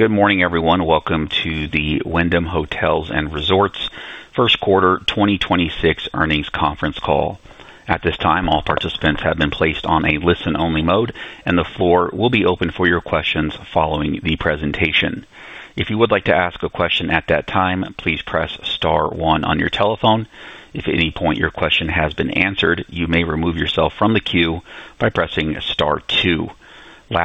Good morning, everyone. Welcome to the Wyndham Hotels & Resorts first quarter 2026 earnings conference call. I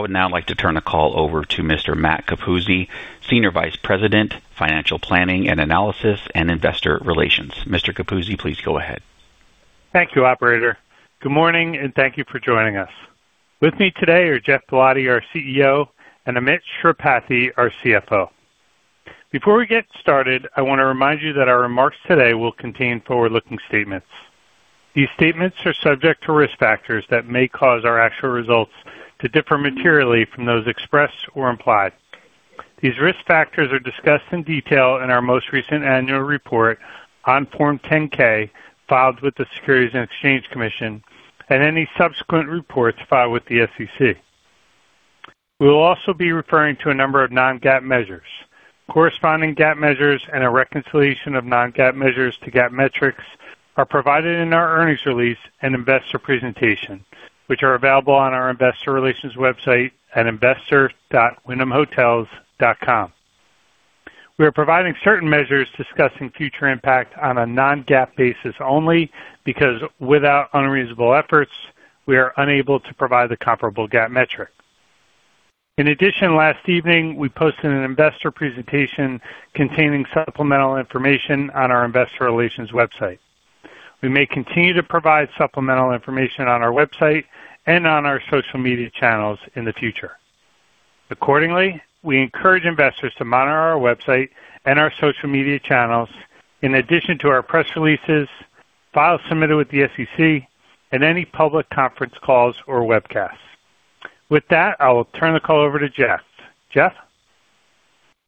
would now like to turn the call over to Mr. Matt Capuzzi, Senior Vice President, Financial Planning and Analysis and Investor Relations. Mr. Capuzzi, please go ahead. Thank you, operator. Good morning, thank you for joining us. With me today are Geoff Ballotti, our CEO, and Amit Sripathi, our CFO. Before we get started, I want to remind you that our remarks today will contain forward-looking statements. These statements are subject to risk factors that may cause our actual results to differ materially from those expressed or implied. These risk factors are discussed in detail in our most recent annual report on Form 10-K filed with the Securities and Exchange Commission and any subsequent reports filed with the SEC. We will also be referring to a number of non-GAAP measures. Corresponding GAAP measures and a reconciliation of non-GAAP measures to GAAP metrics are provided in our earnings release and investor presentation, which are available on our investor relations website at investor.wyndhamhotels.com. We are providing certain measures discussing future impact on a non-GAAP basis only because without unreasonable efforts, we are unable to provide the comparable GAAP metric. In addition, last evening, we posted an investor presentation containing supplemental information on our investor relations website. We may continue to provide supplemental information on our website and on our social media channels in the future. Accordingly, we encourage investors to monitor our website and our social media channels in addition to our press releases, files submitted with the SEC, and any public conference calls or webcasts. With that, I will turn the call over to Geoff. Geoff?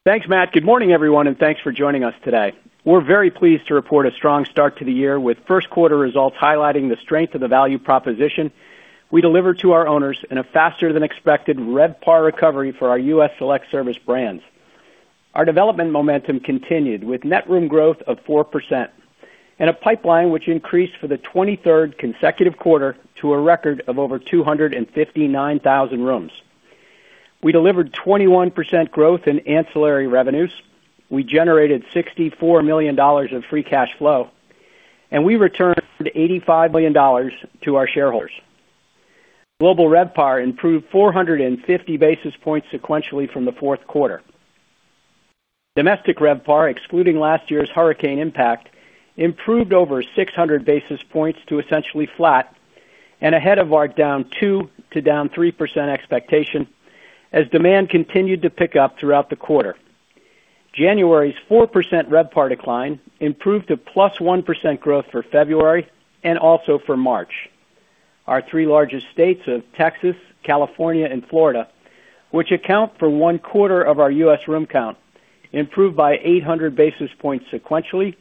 Thanks, Matt. Good morning, everyone, and thanks for joining us today. We're very pleased to report a strong start to the year with first quarter results highlighting the strength of the value proposition we deliver to our owners in a faster than expected RevPAR recovery for our U.S. select service brands. Our development momentum continued with net room growth of 4% and a pipeline which increased for the 23rd consecutive quarter to a record of over 259,000 rooms. We delivered 21% growth in ancillary revenues. We generated $64 million of free cash flow. We returned $85 million to our shareholders. Global RevPAR improved 450 basis points sequentially from the fourth quarter. Domestic RevPAR, excluding last year's hurricane impact, improved over 600 basis points to essentially flat and ahead of our down 2% to down 3% expectation as demand continued to pick up throughout the quarter. January's 4% RevPAR decline improved to +1% growth for February and also for March. Our three largest states of Texas, California, and Florida, which account for one quarter of our U.S. room count, improved by 800 basis points sequentially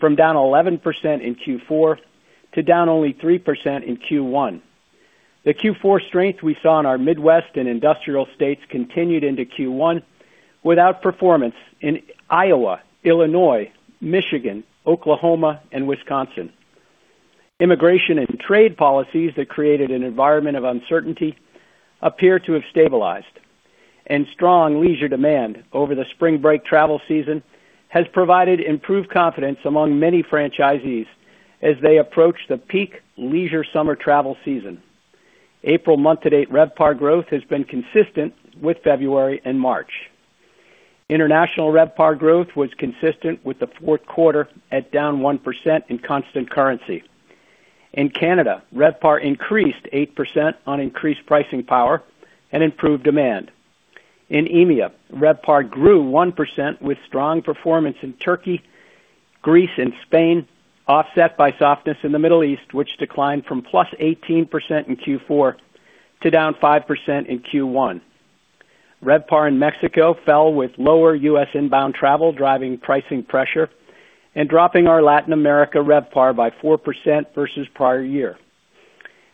from down 11% in Q4 to down only 3% in Q1. The Q4 strength we saw in our Midwest and industrial states continued into Q1 without performance in Iowa, Illinois, Michigan, Oklahoma, and Wisconsin. Immigration and trade policies that created an environment of uncertainty appear to have stabilized, strong leisure demand over the spring break travel season has provided improved confidence among many franchisees as they approach the peak leisure summer travel season. April month-to-date RevPAR growth has been consistent with February and March. International RevPAR growth was consistent with the fourth quarter at down 1% in constant currency. In Canada, RevPAR increased 8% on increased pricing power and improved demand. In EMEA, RevPAR grew 1% with strong performance in Turkey, Greece, and Spain, offset by softness in the Middle East, which declined from +18% in Q4 to down 5% in Q1. RevPAR in Mexico fell with lower U.S. inbound travel, driving pricing pressure and dropping our Latin America RevPAR by 4% versus prior year.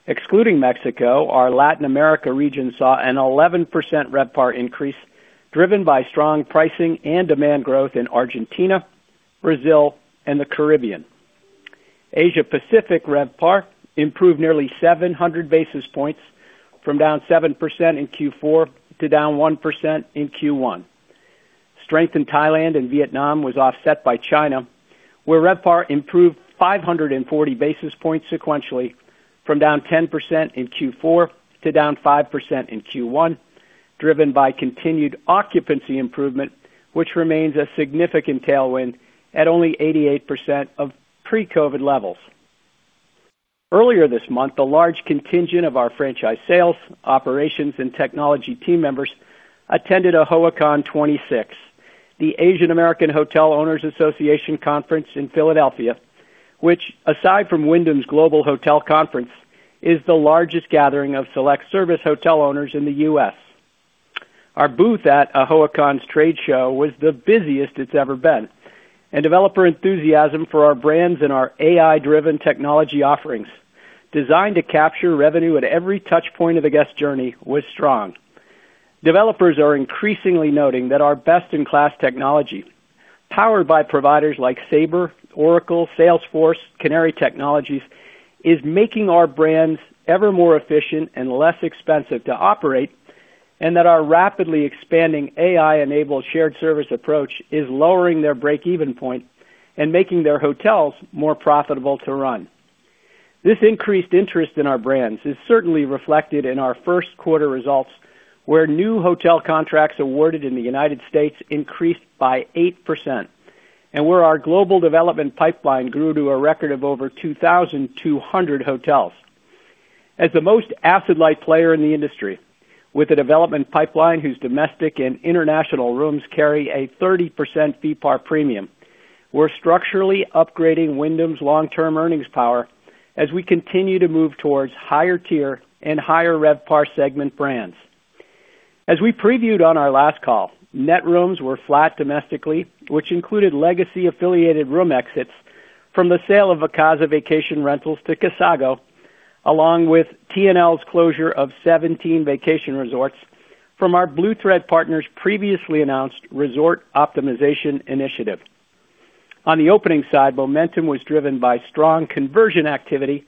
Excluding Mexico, our Latin America region saw an 11% RevPAR increase, driven by strong pricing and demand growth in Argentina, Brazil, and the Caribbean. Asia Pacific RevPAR improved nearly 700 basis points from down 7% in Q4 to down 1% in Q1. Strength in Thailand and Vietnam was offset by China, where RevPAR improved 540 basis points sequentially from down 10% in Q4 to down 5% in Q1, driven by continued occupancy improvement, which remains a significant tailwind at only 88% of pre-COVID levels. Earlier this month, a large contingent of our franchise sales, operations, and technology team members attended AAHOACON26, the Asian American Hotel Owners Association Conference in Philadelphia, which aside from Wyndham Global Conference, is the largest gathering of select service hotel owners in the U.S. Our booth at AAHOACON's trade show was the busiest it's ever been, and developer enthusiasm for our brands and our AI-driven technology offerings designed to capture revenue at every touch point of the guest journey was strong. Developers are increasingly noting that our best-in-class technology, powered by providers like Sabre, Oracle, Salesforce, Canary Technologies, is making our brands ever more efficient and less expensive to operate, and that our rapidly expanding AI-enabled shared service approach is lowering their breakeven point and making their hotels more profitable to run. This increased interest in our brands is certainly reflected in our first quarter results, where new hotel contracts awarded in the United States increased by 8%, and where our global development pipeline grew to a record of over 2,200 hotels. As the most asset-light player in the industry with a development pipeline whose domestic and international rooms carry a 30% FeePAR premium, we're structurally upgrading Wyndham's long-term earnings power as we continue to move towards higher tier and higher RevPAR segment brands. As we previewed on our last call, net rooms were flat domestically, which included legacy affiliated room exits from the sale of Vacasa Vacation Rentals to Casago, along with TNL's closure of 17 vacation resorts from our Blue Thread partner's previously announced resort optimization initiative. On the opening side, momentum was driven by strong conversion activity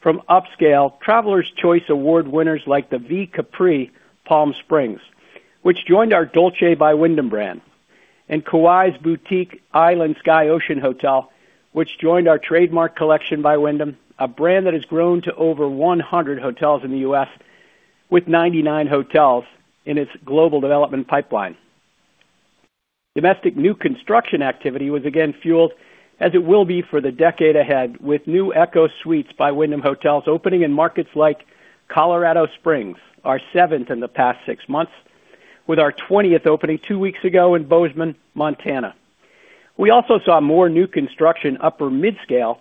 from upscale Travelers' Choice Award winners like the V Capri Palm Springs, which joined our Dolce by Wyndham brand, and Kauai's boutique Island Sky Ocean Hotel, which joined our Trademark Collection by Wyndham, a brand that has grown to over 100 hotels in the U.S. with 99 hotels in its global development pipeline. Domestic new construction activity was again fueled, as it will be for the decade ahead, with new ECHO Suites by Wyndham Hotels opening in markets like Colorado Springs, our seventh in the past six months, with our 20th opening two weeks ago in Bozeman, Montana. We also saw more new construction upper midscale,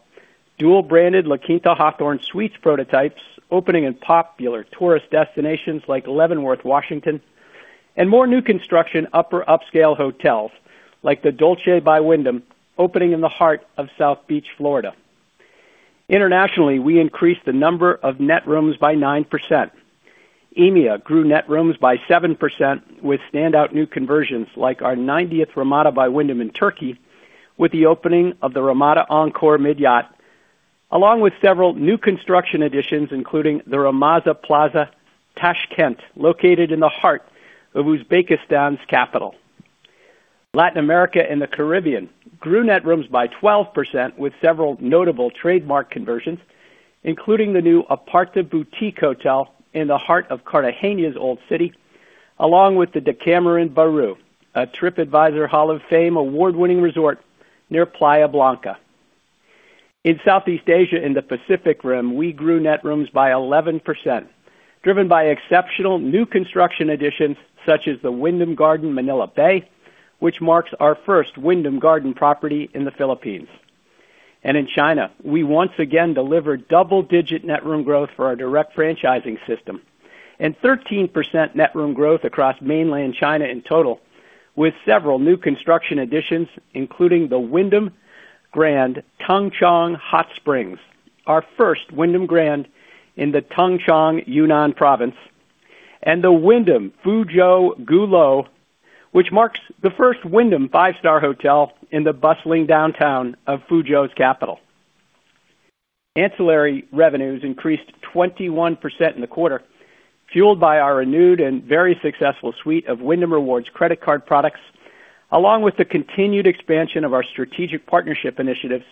dual-branded La Quinta Hawthorn Suites prototypes opening in popular tourist destinations like Leavenworth, Washington, and more new construction upper upscale hotels like the Dolce by Wyndham, opening in the heart of South Beach, Florida. Internationally, we increased the number of net rooms by 9%. EMEA grew net rooms by 7% with standout new conversions like our 90th Ramada by Wyndham in Turkey with the opening of the Ramada Encore by Wyndham Midyat, along with several new construction additions, including the Ramada Plaza by Wyndham Tashkent, located in the heart of Uzbekistan's capital. Latin America and the Caribbean grew net rooms by 12% with several notable Trademark Collection by Wyndham conversions, including the new Aparta Boutique Hotel in the heart of Cartagena's Old City, along with the Decameron Barú, a Tripadvisor Hall of Fame award-winning resort near Playa Blanca. In Southeast Asia and the Pacific Rim, we grew net rooms by 11%, driven by exceptional new construction additions such as the Wyndham Garden Manila Bay, which marks our first Wyndham Garden property in the Philippines. In China, we once again delivered double-digit net room growth for our direct franchising system and 13% net room growth across mainland China in total, with several new construction additions, including the Wyndham Grand Tengchong Hot Spring, our first Wyndham Grand in the Tengchong Yunnan province, and the Wyndham Fuzhou Gulou, which marks the first Wyndham five-star hotel in the bustling downtown of Fuzhou's capital. Ancillary revenues increased 21% in the quarter, fueled by our renewed and very successful suite of Wyndham Rewards credit card products, along with the continued expansion of our strategic partnership initiatives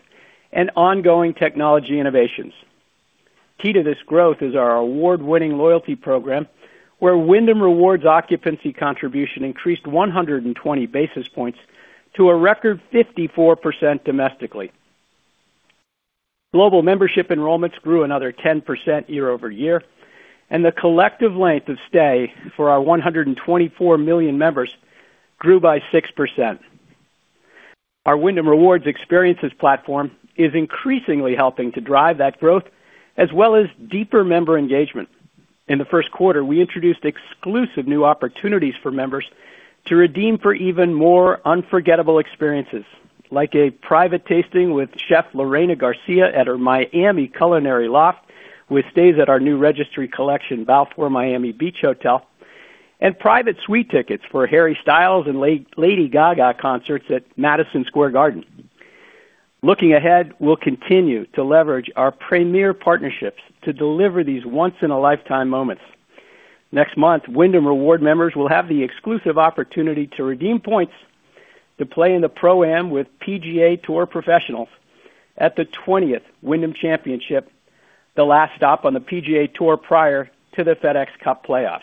and ongoing technology innovations. Key to this growth is our award-winning loyalty program, where Wyndham Rewards occupancy contribution increased 120 basis points to a record 54% domestically. Global membership enrollments grew another 10% year-over-year, and the collective length of stay for our 124 million members grew by 6%. Our Wyndham Rewards Experiences platform is increasingly helping to drive that growth as well as deeper member engagement. In the first quarter, we introduced exclusive new opportunities for members to redeem for even more unforgettable experiences, like a private tasting with Chef Lorena Garcia at her Miami culinary loft, with stays at our new Registry Collection, Balfour Miami Beach Hotel, and private suite tickets for Harry Styles and Lady Gaga concerts at Madison Square Garden. Looking ahead, we'll continue to leverage our premier partnerships to deliver these once-in-a-lifetime moments. Next month, Wyndham Rewards members will have the exclusive opportunity to redeem points to play in the Pro-Am with PGA Tour professionals at the 20th Wyndham Championship, the last stop on the PGA Tour prior to the FedEx Cup playoffs.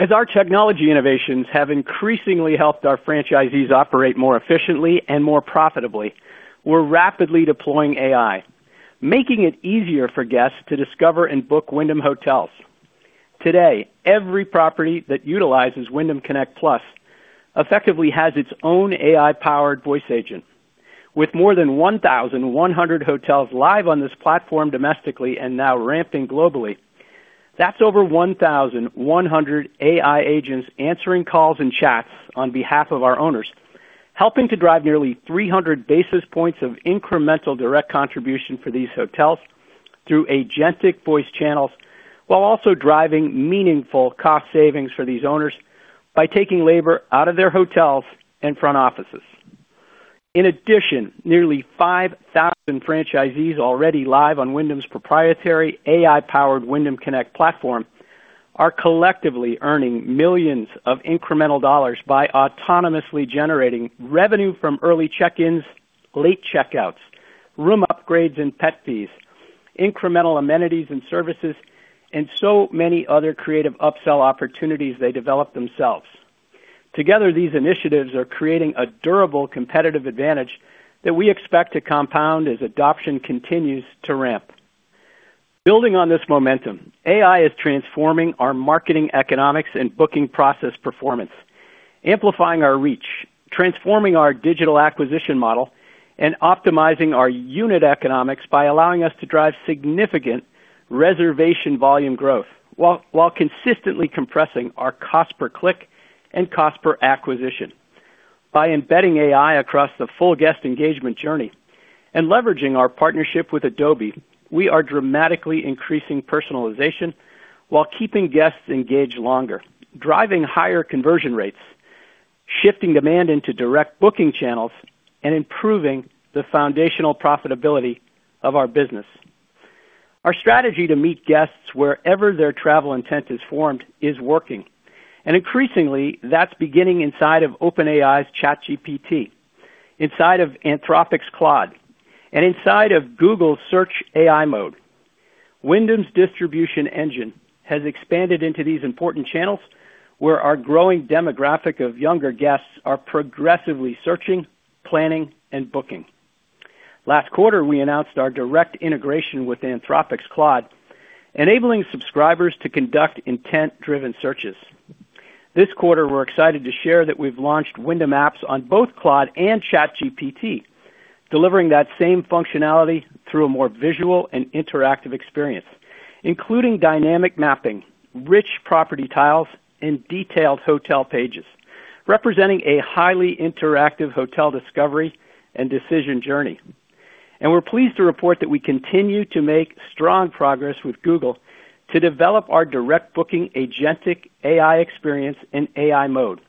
As our technology innovations have increasingly helped our franchisees operate more efficiently and more profitably, we're rapidly deploying AI, making it easier for guests to discover and book Wyndham Hotels. Today, every property that utilizes Wyndham Connect PLUS effectively has its own AI-powered voice agent. With more than 1,100 hotels live on this platform domestically and now ramping globally, that's over 1,100 AI agents answering calls and chats on behalf of our owners, helping to drive nearly 300 basis points of incremental direct contribution for these hotels through agentic voice channels, while also driving meaningful cost savings for these owners by taking labor out of their hotels and front offices. In addition, nearly 5,000 franchisees already live on Wyndham's proprietary AI-powered Wyndham Connect platform are collectively earning millions of incremental dollars by autonomously generating revenue from early check-ins, late check-outs, room upgrades and pet fees, incremental amenities and services, and so many other creative upsell opportunities they develop themselves. Together, these initiatives are creating a durable competitive advantage that we expect to compound as adoption continues to ramp. Building on this momentum, AI is transforming our marketing economics and booking process performance, amplifying our reach, transforming our digital acquisition model, and optimizing our unit economics by allowing us to drive significant reservation volume growth, while consistently compressing our cost per click and cost per acquisition. By embedding AI across the full guest engagement journey and leveraging our partnership with Adobe, we are dramatically increasing personalization while keeping guests engaged longer, driving higher conversion rates, shifting demand into direct booking channels, and improving the foundational profitability of our business. Our strategy to meet guests wherever their travel intent is formed is working, and increasingly, that's beginning inside of OpenAI's ChatGPT, inside of Anthropic's Claude, and inside of Google Search AI Mode. Wyndham's distribution engine has expanded into these important channels where our growing demographic of younger guests are progressively searching, planning, and booking. Last quarter, we announced our direct integration with Anthropic's Claude, enabling subscribers to conduct intent-driven searches. This quarter, we're excited to share that we've launched Wyndham apps on both Claude and ChatGPT, delivering that same functionality through a more visual and interactive experience, including dynamic mapping, rich property tiles, and detailed hotel pages, representing a highly interactive hotel discovery and decision journey. We're pleased to report that we continue to make strong progress with Google to develop our direct booking agentic AI experience in AI mode,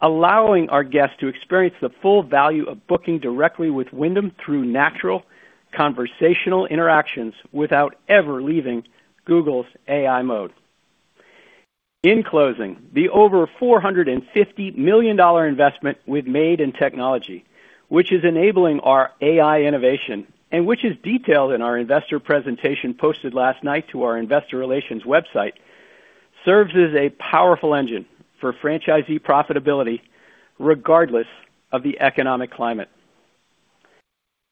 allowing our guests to experience the full value of booking directly with Wyndham through natural conversational interactions without ever leaving Google's AI mode. In closing, the over $450 million investment we've made in technology, which is enabling our AI innovation and which is detailed in our investor presentation posted last night to our investor relations website, serves as a powerful engine for franchisee profitability regardless of the economic climate.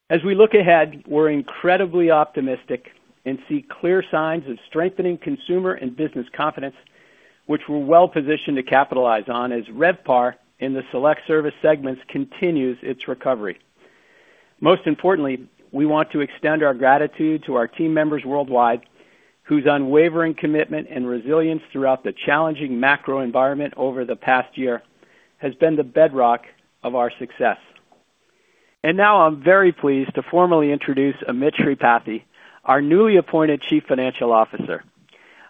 As we look ahead, we're incredibly optimistic and see clear signs of strengthening consumer and business confidence, which we're well-positioned to capitalize on as RevPAR in the select service segments continues its recovery. Most importantly, we want to extend our gratitude to our team members worldwide, whose unwavering commitment and resilience throughout the challenging macro environment over the past year has been the bedrock of our success. Now I'm very pleased to formally introduce Amit Sripathi, our newly appointed Chief Financial Officer.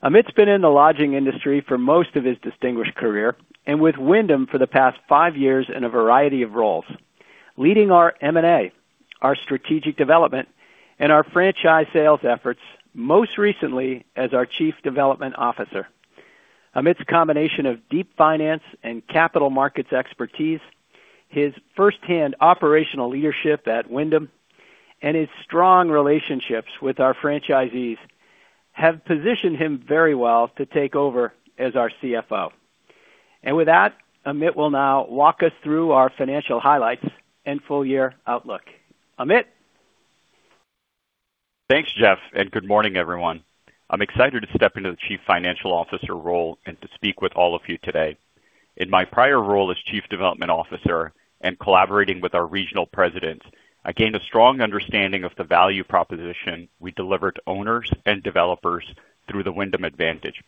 Amit's been in the lodging industry for most of his distinguished career, and with Wyndham for the past five years in a variety of roles, leading our M&A, our strategic development, and our franchise sales efforts, most recently as our Chief Development Officer. Amit's combination of deep finance and capital markets expertise, his first-hand operational leadership at Wyndham, and his strong relationships with our franchisees have positioned him very well to take over as our CFO. With that, Amit will now walk us through our financial highlights and full year outlook. Amit. Thanks, Geoff. Good morning, everyone. I'm excited to step into the Chief Financial Officer role and to speak with all of you today. In my prior role as Chief Development Officer and collaborating with our regional presidents, I gained a strong understanding of the value proposition we deliver to owners and developers through The Wyndham Advantage.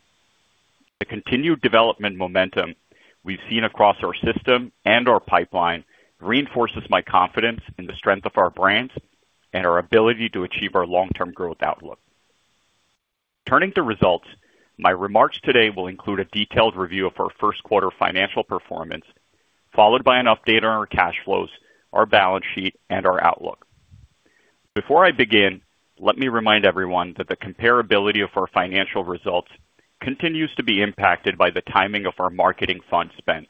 The continued development momentum we've seen across our system and our pipeline reinforces my confidence in the strength of our brands and our ability to achieve our long-term growth outlook. Turning to results, my remarks today will include a detailed review of our first quarter financial performance, followed by an update on our cash flows, our balance sheet, and our outlook. Before I begin, let me remind everyone that the comparability of our financial results continues to be impacted by the timing of our marketing fund spend.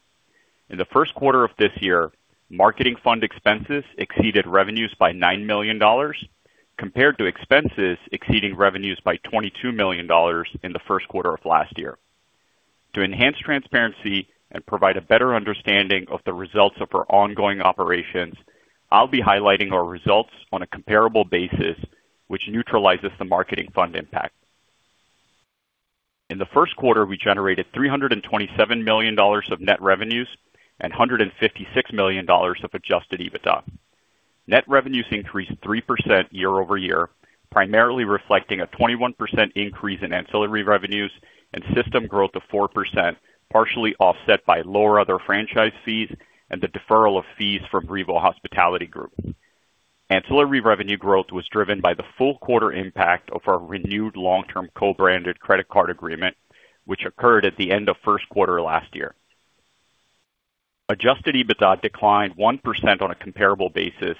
In the first quarter of this year, marketing fund expenses exceeded revenues by $9 million compared to expenses exceeding revenues by $22 million in the first quarter of last year. To enhance transparency and provide a better understanding of the results of our ongoing operations, I'll be highlighting our results on a comparable basis, which neutralizes the marketing fund impact. In the first quarter, we generated $327 million of net revenues and $156 million of adjusted EBITDA. Net revenues increased 3% year-over-year, primarily reflecting a 21% increase in ancillary revenues and system growth of 4%, partially offset by lower other franchise fees and the deferral of fees from Revo Hospitality Group. Ancillary revenue growth was driven by the full quarter impact of our renewed long-term co-branded credit card agreement, which occurred at the end of first quarter last year. Adjusted EBITDA declined 1% on a comparable basis,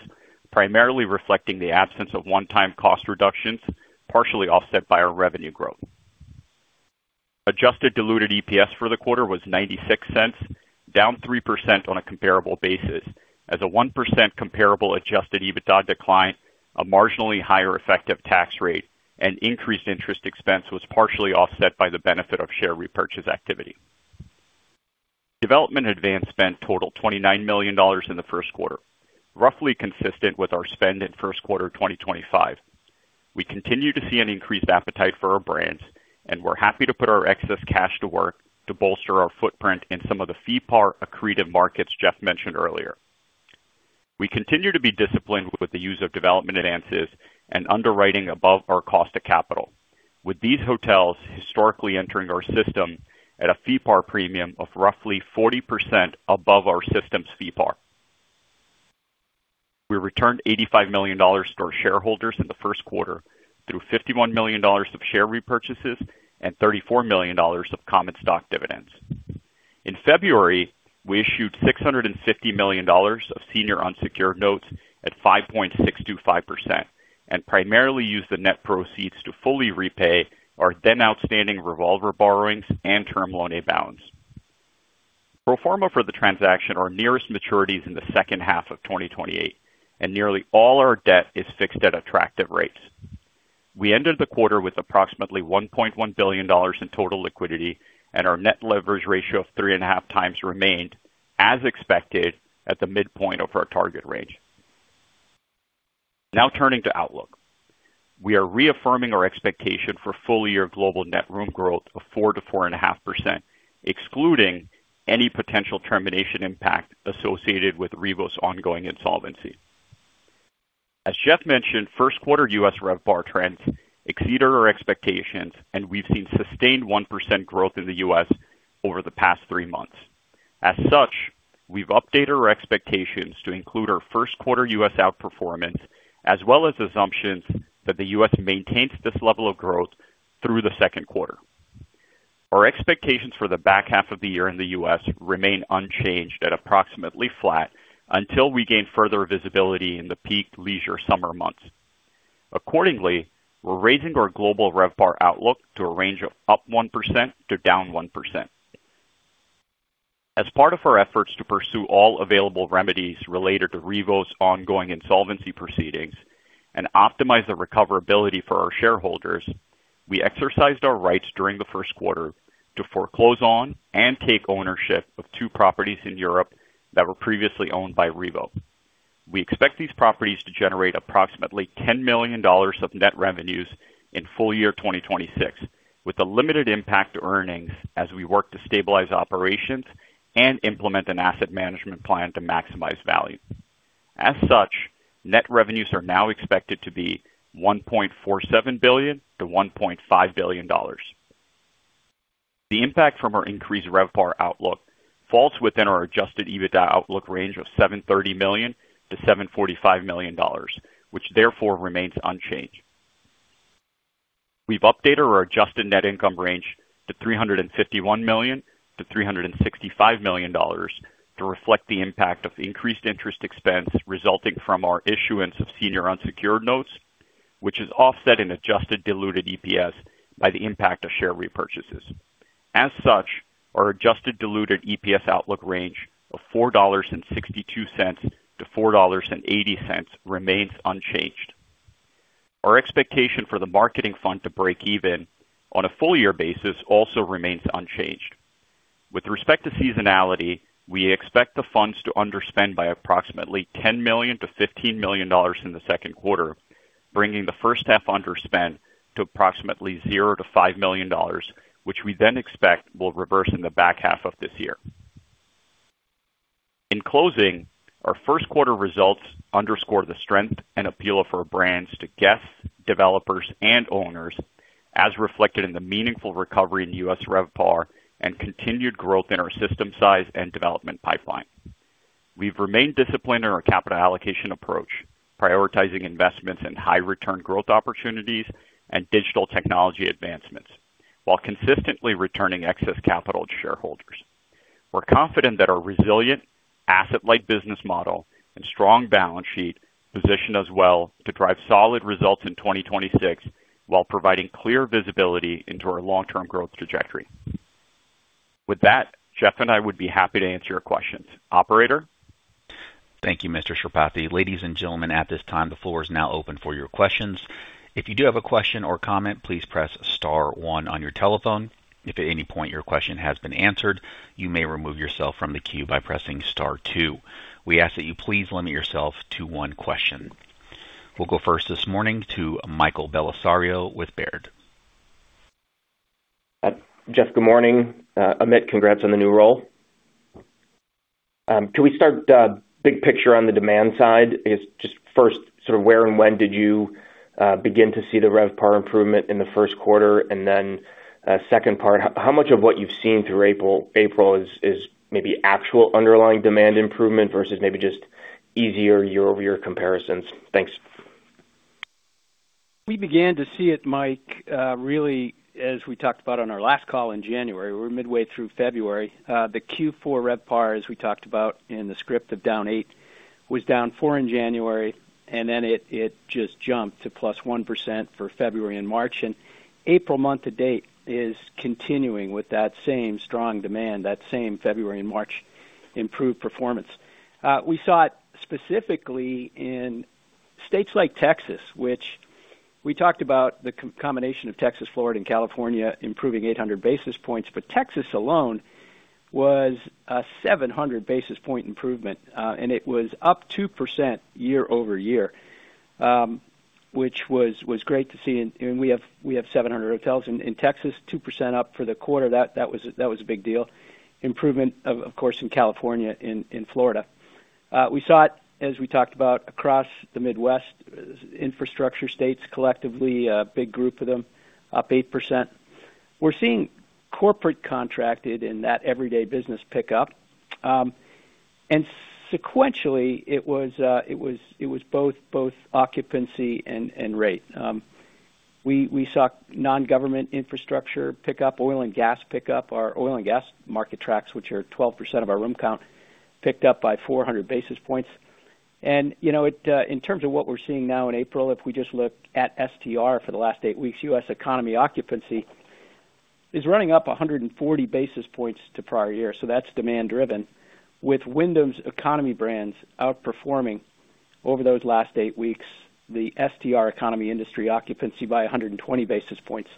primarily reflecting the absence of one-time cost reductions, partially offset by our revenue growth. Adjusted diluted EPS for the quarter was $0.96, down 3% on a comparable basis, as a 1% comparable adjusted EBITDA decline, a marginally higher effective tax rate and increased interest expense was partially offset by the benefit of share repurchase activity. Development advance spent totaled $29 million in the first quarter, roughly consistent with our spend in first quarter 2025. We continue to see an increased appetite for our brands, and we're happy to put our excess cash to work to bolster our footprint in some of the FeePAR accretive markets Geoff mentioned earlier. We continue to be disciplined with the use of development advances and underwriting above our cost of capital. With these hotels historically entering our system at a FeePAR premium of roughly 40% above our system's FeePAR. We returned $85 million to our shareholders in the first quarter through $51 million of share repurchases and $34 million of common stock dividends. In February, we issued $650 million of senior unsecured notes at 5.625% and primarily used the net proceeds to fully repay our then outstanding revolver borrowings and term loan A balance. Pro forma for the transaction, our nearest maturity is in the second half of 2028, and nearly all our debt is fixed at attractive rates. We ended the quarter with approximately $1.1 billion in total liquidity, and our net leverage ratio of 3.5x remained as expected at the midpoint of our target range. Now turning to outlook. We are reaffirming our expectation for full-year global net room growth of 4%-4.5%, excluding any potential termination impact associated with Revo's ongoing insolvency. As Geoff mentioned, first quarter U.S. RevPAR trends exceeded our expectations, and we've seen sustained 1% growth in the U.S. over the past three months. As such, we've updated our expectations to include our first quarter U.S. outperformance, as well as assumptions that the U.S. maintains this level of growth through the second quarter. Our expectations for the back half of the year in the U.S. remain unchanged at approximately flat until we gain further visibility in the peak leisure summer months. Accordingly, we're raising our global RevPAR outlook to a range of up 1% to down 1%. As part of our efforts to pursue all available remedies related to Revo's ongoing insolvency proceedings and optimize the recoverability for our shareholders, we exercised our rights during the first quarter to foreclose on and take ownership of two properties in Europe that were previously owned by Revo. We expect these properties to generate approximately $10 million of net revenues in full year 2026, with a limited impact to earnings as we work to stabilize operations and implement an asset management plan to maximize value. Net revenues are now expected to be $1.47 billion-$1.5 billion. The impact from our increased RevPAR outlook falls within our adjusted EBITDA outlook range of $730 million-$745 million, which therefore remains unchanged. We've updated our adjusted net income range to $351 million-$365 million to reflect the impact of increased interest expense resulting from our issuance of senior unsecured notes, which is offset in adjusted diluted EPS by the impact of share repurchases. As such, our adjusted diluted EPS outlook range of $4.62-$4.80 remains unchanged. Our expectation for the marketing fund to break even on a full year basis also remains unchanged. With respect to seasonality, we expect the funds to underspend by approximately $10 million-$15 million in the second quarter, bringing the first half underspend to approximately $0 million-$5 million, which we then expect will reverse in the back half of this year. In closing, our first quarter results underscore the strength and appeal of our brands to guests, developers, and owners, as reflected in the meaningful recovery in U.S. RevPAR and continued growth in our system size and development pipeline. We've remained disciplined in our capital allocation approach, prioritizing investments in high return growth opportunities and digital technology advancements while consistently returning excess capital to shareholders. We're confident that our resilient asset-light business model and strong balance sheet position us well to drive solid results in 2026 while providing clear visibility into our long-term growth trajectory. With that, Geoff and I would be happy to answer your questions. Operator? Thank you, Mr. Sripathi. Ladies and gentlemen, at this time, the floor is now open for your questions. If you do have a question or comment, please press star one on your telephone. If at any point your question has been answered, you may remove yourself from the queue by pressing star two. We ask that you please limit yourself to one question. We'll go first this morning to Michael Bellisario with Baird. Geoff, good morning. Amit, congrats on the new role. Can we start big picture on the demand side? Is just first, sort of where and when did you begin to see the RevPAR improvement in the first quarter? second part, how much of what you've seen through April is maybe actual underlying demand improvement versus maybe just easier year-over-year comparisons? Thanks. We began to see it, Mike, really, as we talked about on our last call in January. We're midway through February. The Q4 RevPAR, as we talked about in the script of down 8%, was down 4% in January, and then it just jumped to +1% for February and March. April month to date is continuing with that same strong demand, that same February and March improved performance. We saw it specifically in states like Texas, which we talked about the combination of Texas, Florida, and California improving 800 basis points, but Texas alone was a 700 basis point improvement. It was up 2% year-over-year, which was great to see. We have 700 hotels in Texas, 2% up for the quarter. That was a big deal. Improvement of course, in California and Florida. We saw it, as we talked about, across the Midwest, infrastructure states collectively, a big group of them, up 8%. We're seeing corporate contracted in that everyday business pickup. Sequentially, it was both occupancy and rate. We saw non-government infrastructure pick up, oil and gas pick up. Our oil and gas market tracks, which are 12% of our room count, picked up by 400 basis points. You know, in terms of what we're seeing now in April, if we just look at STR for the last eight weeks, U.S. economy occupancy is running up 140 basis points to prior year. That's demand driven, with Wyndham's economy brands outperforming over those last eight weeks, the STR economy industry occupancy by 120 basis points.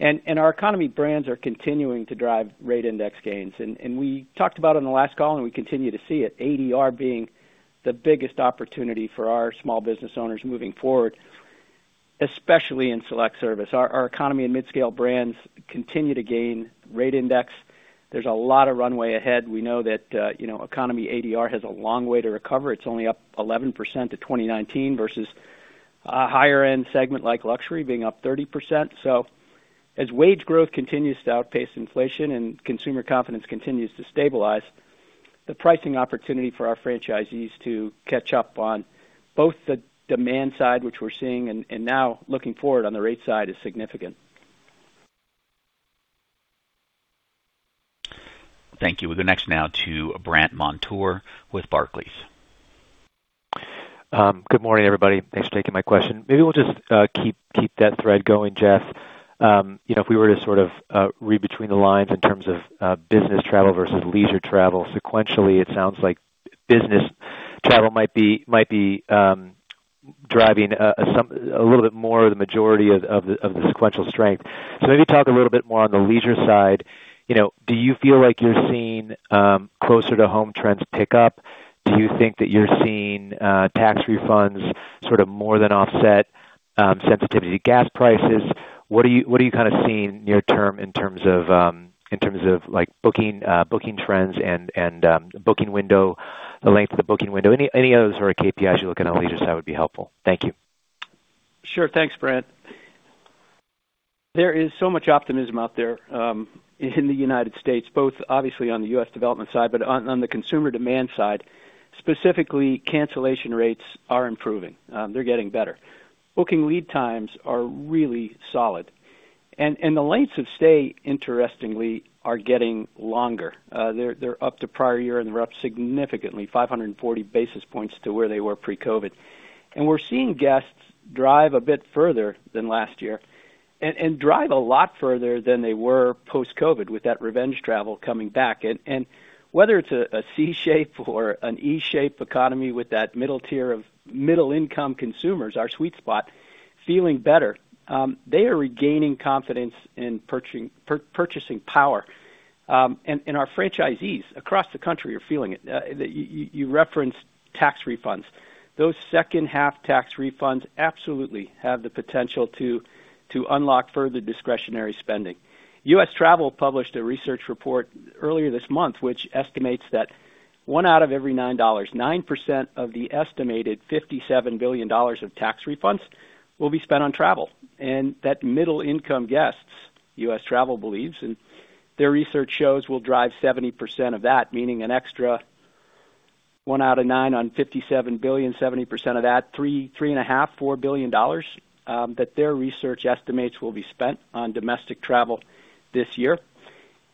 Our economy brands are continuing to drive rate index gains. We talked about on the last call, and we continue to see it, ADR being the biggest opportunity for our small business owners moving forward, especially in select service. Our economy and midscale brands continue to gain rate index. There's a lot of runway ahead. We know that, you know, economy ADR has a long way to recover. It's only up 11% to 2019 versus a higher end segment like luxury being up 30%. As wage growth continues to outpace inflation and consumer confidence continues to stabilize, the pricing opportunity for our franchisees to catch up on both the demand side, which we're seeing, and now looking forward on the rate side, is significant. Thank you. We'll go next now to Brandt Montour with Barclays. Good morning, everybody. Thanks for taking my question. Maybe we'll just keep that thread going, Geoff. You know, if we were to sort of read between the lines in terms of business travel versus leisure travel, sequentially, it sounds like business travel might be driving a little bit more of the majority of the sequential strength. Maybe talk a little bit more on the leisure side. You know, do you feel like you're seeing closer to home trends pick up? Do you think that you're seeing tax refunds sort of more than offset sensitivity to gas prices? What are you kind of seeing near term in terms of in terms of like booking booking trends and booking window, the length of the booking window? Any other sort of KPIs you look at on the leisure side would be helpful. Thank you. Sure. Thanks, Brandt. There is so much optimism out there in the U.S., both obviously on the U.S. development side, but on the consumer demand side, specifically, cancellation rates are improving. They're getting better. Booking lead times are really solid, and the lengths of stay, interestingly, are getting longer. They're up to prior year, and they're up significantly, 540 basis points to where they were pre-COVID. We're seeing guests drive a bit further than last year and drive a lot further than they were post-COVID with that revenge travel coming back. Whether it's a C shape or an E shape economy with that middle tier of middle income consumers, our sweet spot, feeling better, they are regaining confidence in purchasing power. Our franchisees across the country are feeling it. You referenced tax refunds. Those second half tax refunds absolutely have the potential to unlock further discretionary spending. US Travel published a research report earlier this month, which estimates that $1 out of every $9, 9% of the estimated $57 billion of tax refunds will be spent on travel. That middle income guests, US Travel believes, and their research shows, will drive 70% of that, meaning an extra $1 out of $9 on $57 billion, 70% of that $3 billion, $3.5 billion, $4 billion that their research estimates will be spent on domestic travel this year.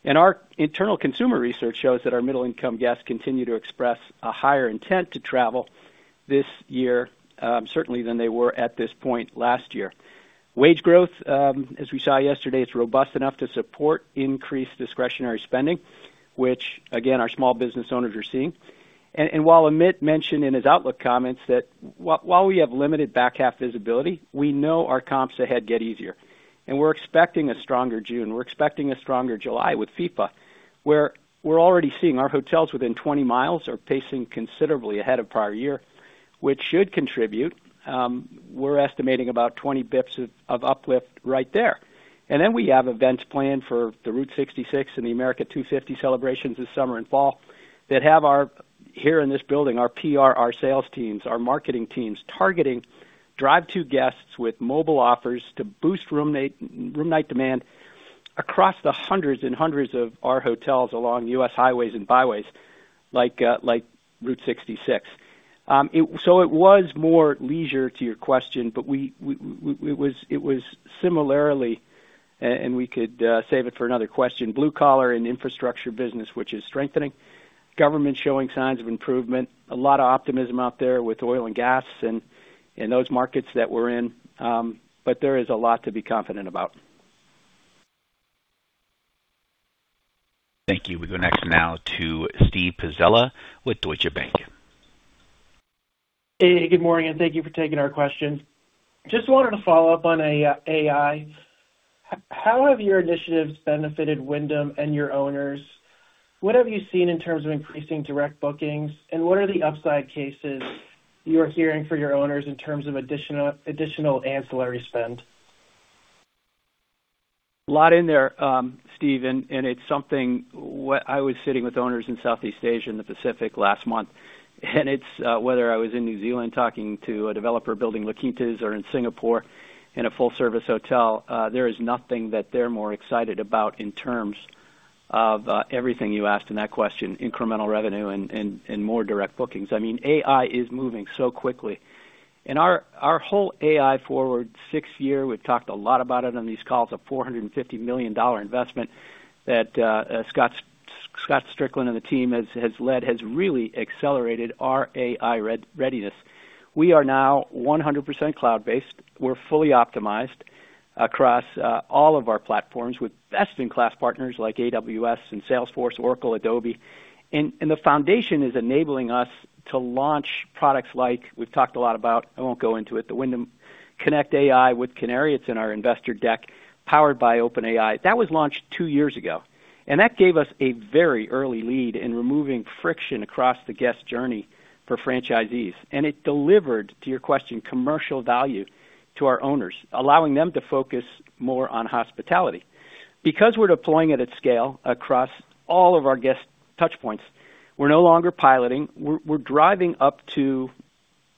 Our internal consumer research shows that our middle income guests continue to express a higher intent to travel this year, certainly than they were at this point last year. Wage growth, as we saw yesterday, is robust enough to support increased discretionary spending, which again, our small business owners are seeing. While Amit mentioned in his outlook comments that while we have limited back half visibility, we know our comps ahead get easier, and we're expecting a stronger June. We're expecting a stronger July with FIFA. Where we're already seeing our hotels within 20 miles are pacing considerably ahead of prior year, which should contribute. We're estimating about 20 basis points of uplift right there. We have events planned for the Route 66 and the America 250 celebrations this summer and fall that have our here in this building, our PR, our sales teams, our marketing teams targeting drive to guests with mobile offers to boost room night demand across the hundreds and hundreds of our hotels along U.S. highways and byways like Route 66. It was more leisure to your question, but we, it was similarly, and we could save it for another question. Blue collar and infrastructure business, which is strengthening. Government showing signs of improvement. A lot of optimism out there with oil and gas and those markets that we're in. There is a lot to be confident about. Thank you. We go next now to Steven Pizzella with Deutsche Bank. Hey, good morning. Thank you for taking our questions. Just wanted to follow up on AI. How have your initiatives benefited Wyndham and your owners? What have you seen in terms of increasing direct bookings, and what are the upside cases you are hearing for your owners in terms of additional ancillary spend? A lot in there, Steve, it's something what I was sitting with owners in Southeast Asia and the Pacific last month, it's whether I was in New Zealand talking to a developer building La Quintas or in Singapore in a full-service hotel, there is nothing that they're more excited about in terms of everything you asked in that question, incremental revenue and more direct bookings. I mean, AI is moving so quickly. Our whole AI forward sixth year, we've talked a lot about it on these calls, a $450 million investment that Scott Strickland and the team has led, has really accelerated our AI re-readiness. We are now 100% cloud-based. We're fully optimized across all of our platforms with best-in-class partners like AWS and Salesforce, Oracle, Adobe. The foundation is enabling us to launch products like we've talked a lot about, I won't go into it, the Wyndham Connect AI with Canary. It's in our investor deck, powered by OpenAI. That was launched two years ago, that gave us a very early lead in removing friction across the guest journey for franchisees. It delivered, to your question, commercial value to our owners, allowing them to focus more on hospitality. Because we're deploying it at scale across all of our guest touch points, we're no longer piloting. We're driving up to,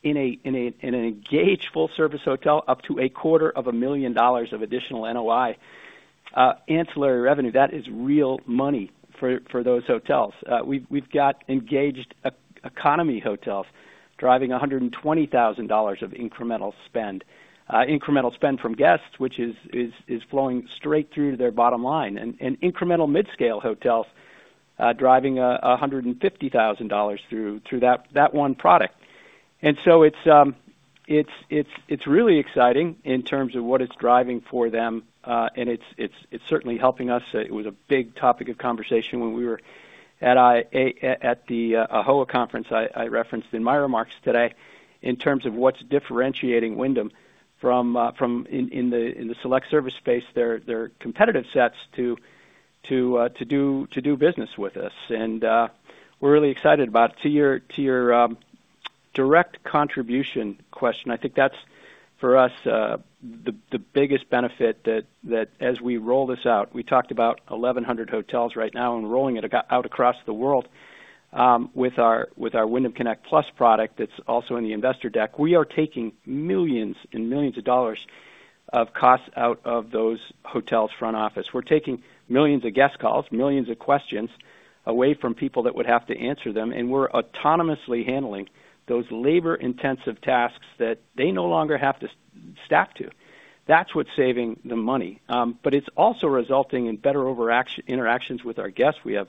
in an engaged full service hotel, up to a quarter of a million dollars of additional NOI, ancillary revenue. That is real money for those hotels. We've got engaged e-economy hotels driving $120,000 of incremental spend. Incremental spend from guests, which is flowing straight through to their bottom line. Incremental mid-scale hotels driving $150,000 through that one product. It's really exciting in terms of what it's driving for them. And it's certainly helping us. It was a big topic of conversation when we were at the AAHOA conference I referenced in my remarks today, in terms of what's differentiating Wyndham from. In the select service space, their competitive sets to do business with us. We're really excited about. To your, to your direct contribution question, I think that's for us the biggest benefit that as we roll this out, we talked about 1,100 hotels right now and rolling it out across the world with our Wyndham Connect PLUS product that's also in the investor deck. We are taking millions and millions of dollars of costs out of those hotels' front office. We're taking millions of guest calls, millions of questions away from people that would have to answer them, and we're autonomously handling those labor-intensive tasks that they no longer have to staff to. That's what's saving them money. It's also resulting in better interactions with our guests. We have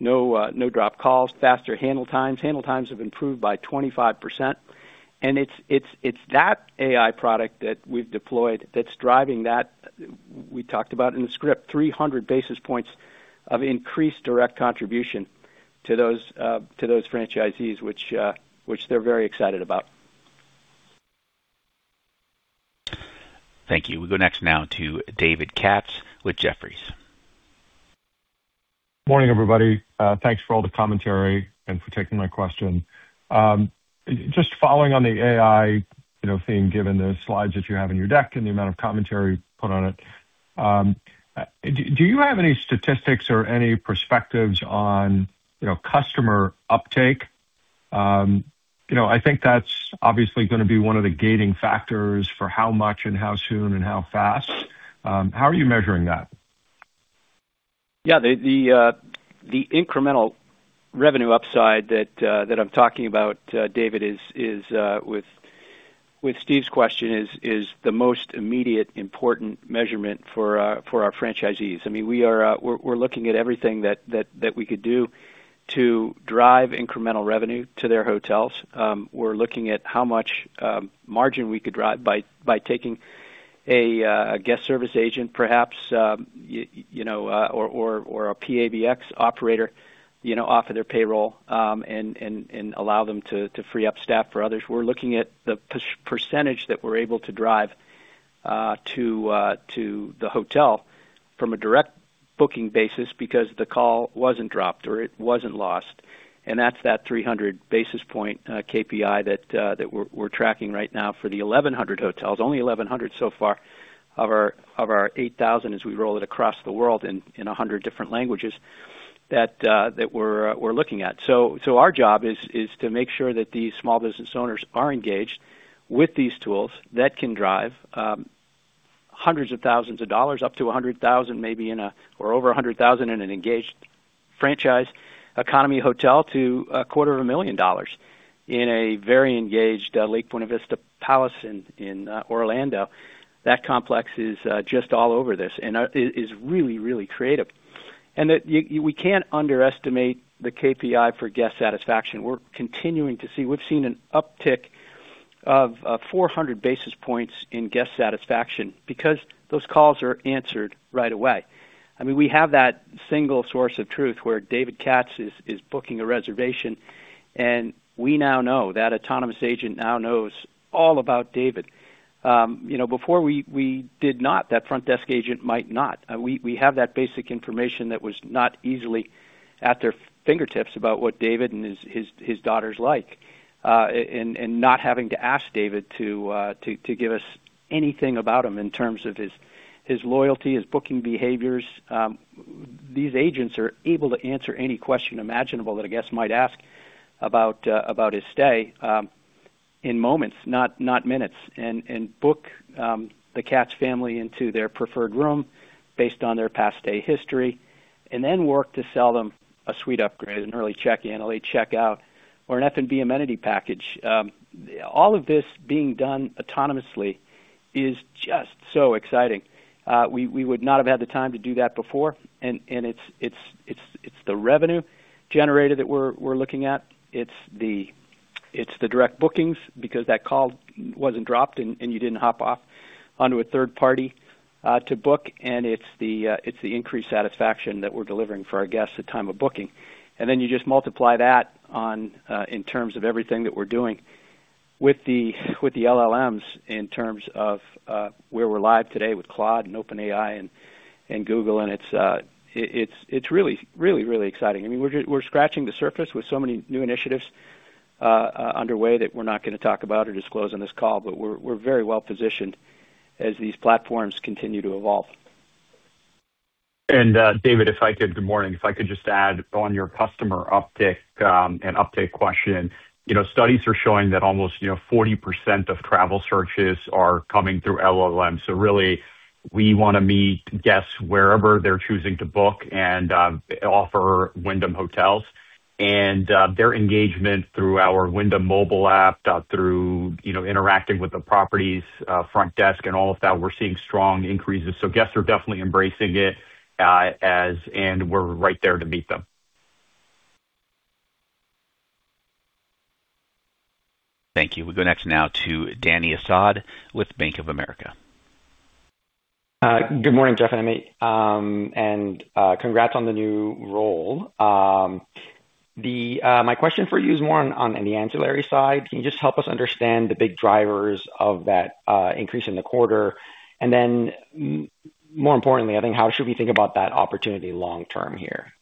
no dropped calls, faster handle times. Handle times have improved by 25%. It's that AI product that we've deployed that's driving that we talked about in the script, 300 basis points of increased direct contribution to those franchisees, which they're very excited about. Thank you. We go next now to David Katz with Jefferies. Morning, everybody. Thanks for all the commentary and for taking my question. Just following on the AI, you know, theme, given the slides that you have in your deck and the amount of commentary put on it, do you have any statistics or any perspectives on, you know, customer uptake? You know, I think that's obviously gonna be one of the gating factors for how much and how soon and how fast. How are you measuring that? Yeah. The incremental revenue upside that I'm talking about, David, is with Steven's question, is the most immediate important measurement for our franchisees. I mean, we're looking at everything that we could do to drive incremental revenue to their hotels. We're looking at how much margin we could drive by taking a guest service agent, perhaps, you know, or a PABX operator, you know, off of their payroll, and allow them to free up staff for others. We're looking at the percentage that we're able to drive to the hotel from a direct booking basis because the call wasn't dropped or it wasn't lost. That's that 300 basis point KPI that we're tracking right now for the 1,100 hotels. Only 1,100 so far of our 8,000 as we roll it across the world in 100 different languages that we're looking at. Our job is to make sure that these small business owners are engaged with these tools that can drive hundreds of thousands of dollars, up to $100,000 maybe or over $100,000 in an engaged franchise economy hotel to a quarter of a million dollars in a very engaged Lake Buena Vista Palace in Orlando. That complex is just all over this and is really creative. We can't underestimate the KPI for guest satisfaction. We're continuing to see. We've seen an uptick of 400 basis points in guest satisfaction because those calls are answered right away. I mean, we have that single source of truth where David Katz is booking a reservation, and we now know that autonomous agent now knows all about David. You know, before we did not. That front desk agent might not. We have that basic information that was not easily at their fingertips about what David and his daughter's like, and not having to ask David to give us anything about him in terms of his loyalty, his booking behaviors. These agents are able to answer any question imaginable that a guest might ask about his stay in moments, not minutes, and book the Katz family into their preferred room based on their past stay history, and then work to sell them a suite upgrade, an early check-in, a late checkout, or an F&B amenity package. All of this being done autonomously is just so exciting. We would not have had the time to do that before. It's the revenue generator that we're looking at. It's the direct bookings because that call wasn't dropped and you didn't hop off onto a third party to book. It's the increased satisfaction that we're delivering for our guests at time of booking. Then you just multiply that on, in terms of everything that we're doing with the LLMs in terms of where we're live today with Claude and OpenAI and Google, it's really exciting. I mean, we're scratching the surface with so many new initiatives underway that we're not gonna talk about or disclose on this call, but we're very well positioned as these platforms continue to evolve. David, Good morning. If I could just add on your customer uptick and uptake question. You know, studies are showing that almost, you know, 40% of travel searches are coming through LLM. Really we wanna meet guests wherever they're choosing to book and offer Wyndham hotels and their engagement through our Wyndham mobile app, through, you know, interacting with the property's front desk and all of that, we're seeing strong increases. Guests are definitely embracing it, and we're right there to meet them. Thank you. We go next now to Dany Asad with Bank of America. Good morning, Geoff and Amit. Congrats on the new role. My question for you is more on the ancillary side. Can you just help us understand the big drivers of that increase in the quarter? More importantly, I think, how should we think about that opportunity long term here?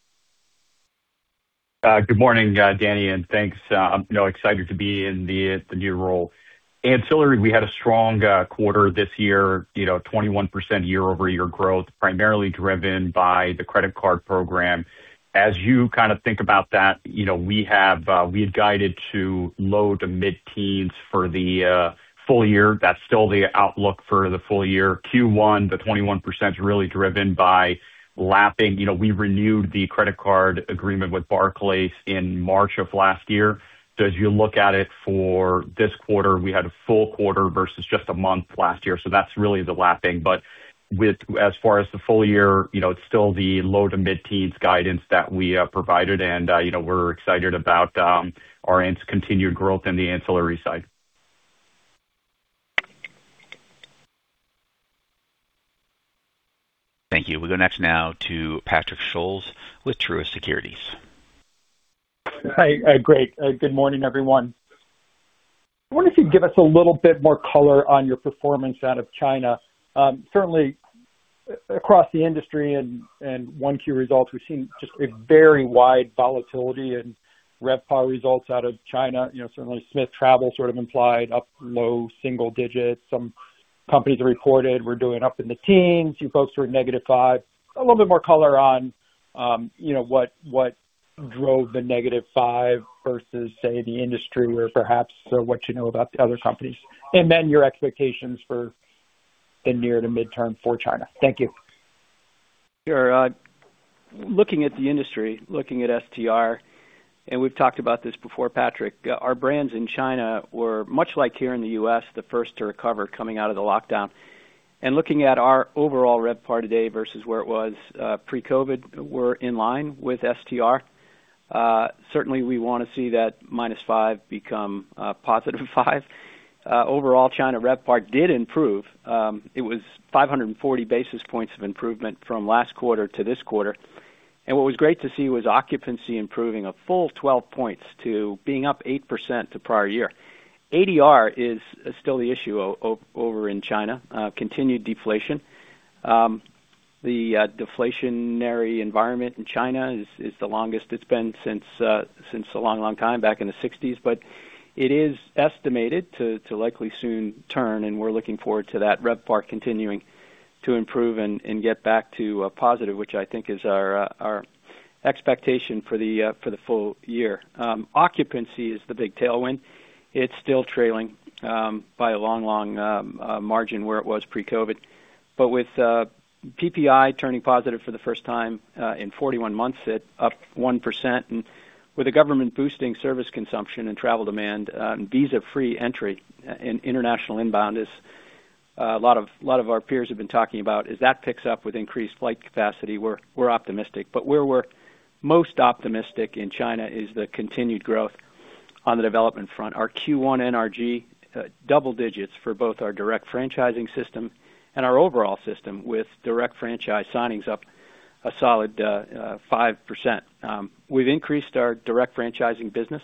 Good morning, Dany, and thanks. I'm, you know, excited to be in the new role. Ancillary, we had a strong quarter this year, you know, 21% year-over-year growth, primarily driven by the credit card program. As you kind of think about that, you know, we had guided to low to mid-teens for the full year. That's still the outlook for the full year. Q1, the 21%'s really driven by lapping. You know, we renewed the credit card agreement with Barclays in March of last year. As you look at it for this quarter, we had a full quarter versus just one month last year. That's really the lapping. As far as the full year, you know, it's still the low to mid-teens guidance that we provided and, you know, we're excited about our continued growth in the ancillary side. Thank you. We go next now to Patrick Scholes with Truist Securities. Hi. Great. Good morning, everyone. I wonder if you'd give us a little bit more color on your performance out of China. Certainly across the industry and 1Q results, we've seen just a very wide volatility in RevPAR results out of China. You know, certainly STR sort of implied up low single digits. Some companies reported were doing up in the teens. You folks were at -5. A little bit more color on, you know, what drove the -5 versus, say, the industry where perhaps or what you know about the other companies. Then your expectations for the near to midterm for China. Thank you. Sure. Looking at the industry, looking at STR, we've talked about this before, Patrick, our brands in China were much like here in the U.S., the first to recover coming out of the lockdown. Looking at our overall RevPAR today versus where it was pre-COVID, we're in line with STR. Certainly we wanna see that -5 become +5. Overall, China RevPAR did improve. It was 540 basis points of improvement from last quarter to this quarter. What was great to see was occupancy improving a full 12 points to being up 8% to prior year. ADR is still the issue over in China, continued deflation. The deflationary environment in China is the longest it's been since a long, long time back in the sixties. It is estimated to likely soon turn, and we're looking forward to that RevPAR continuing to improve and get back to positive, which I think is our expectation for the full year. Occupancy is the big tailwind. It's still trailing by a long margin where it was pre-COVID, but with PPI turning positive for the first time in 41 months at up 1%. With the government boosting service consumption and travel demand, visa-free entry and international inbound is a lot of our peers have been talking about as that picks up with increased flight capacity, we're optimistic. Where we're most optimistic in China is the continued growth on the development front. Our Q1 NRG double digits for both our direct franchising system and our overall system with direct franchise signings up a solid 5%. We've increased our direct franchising business.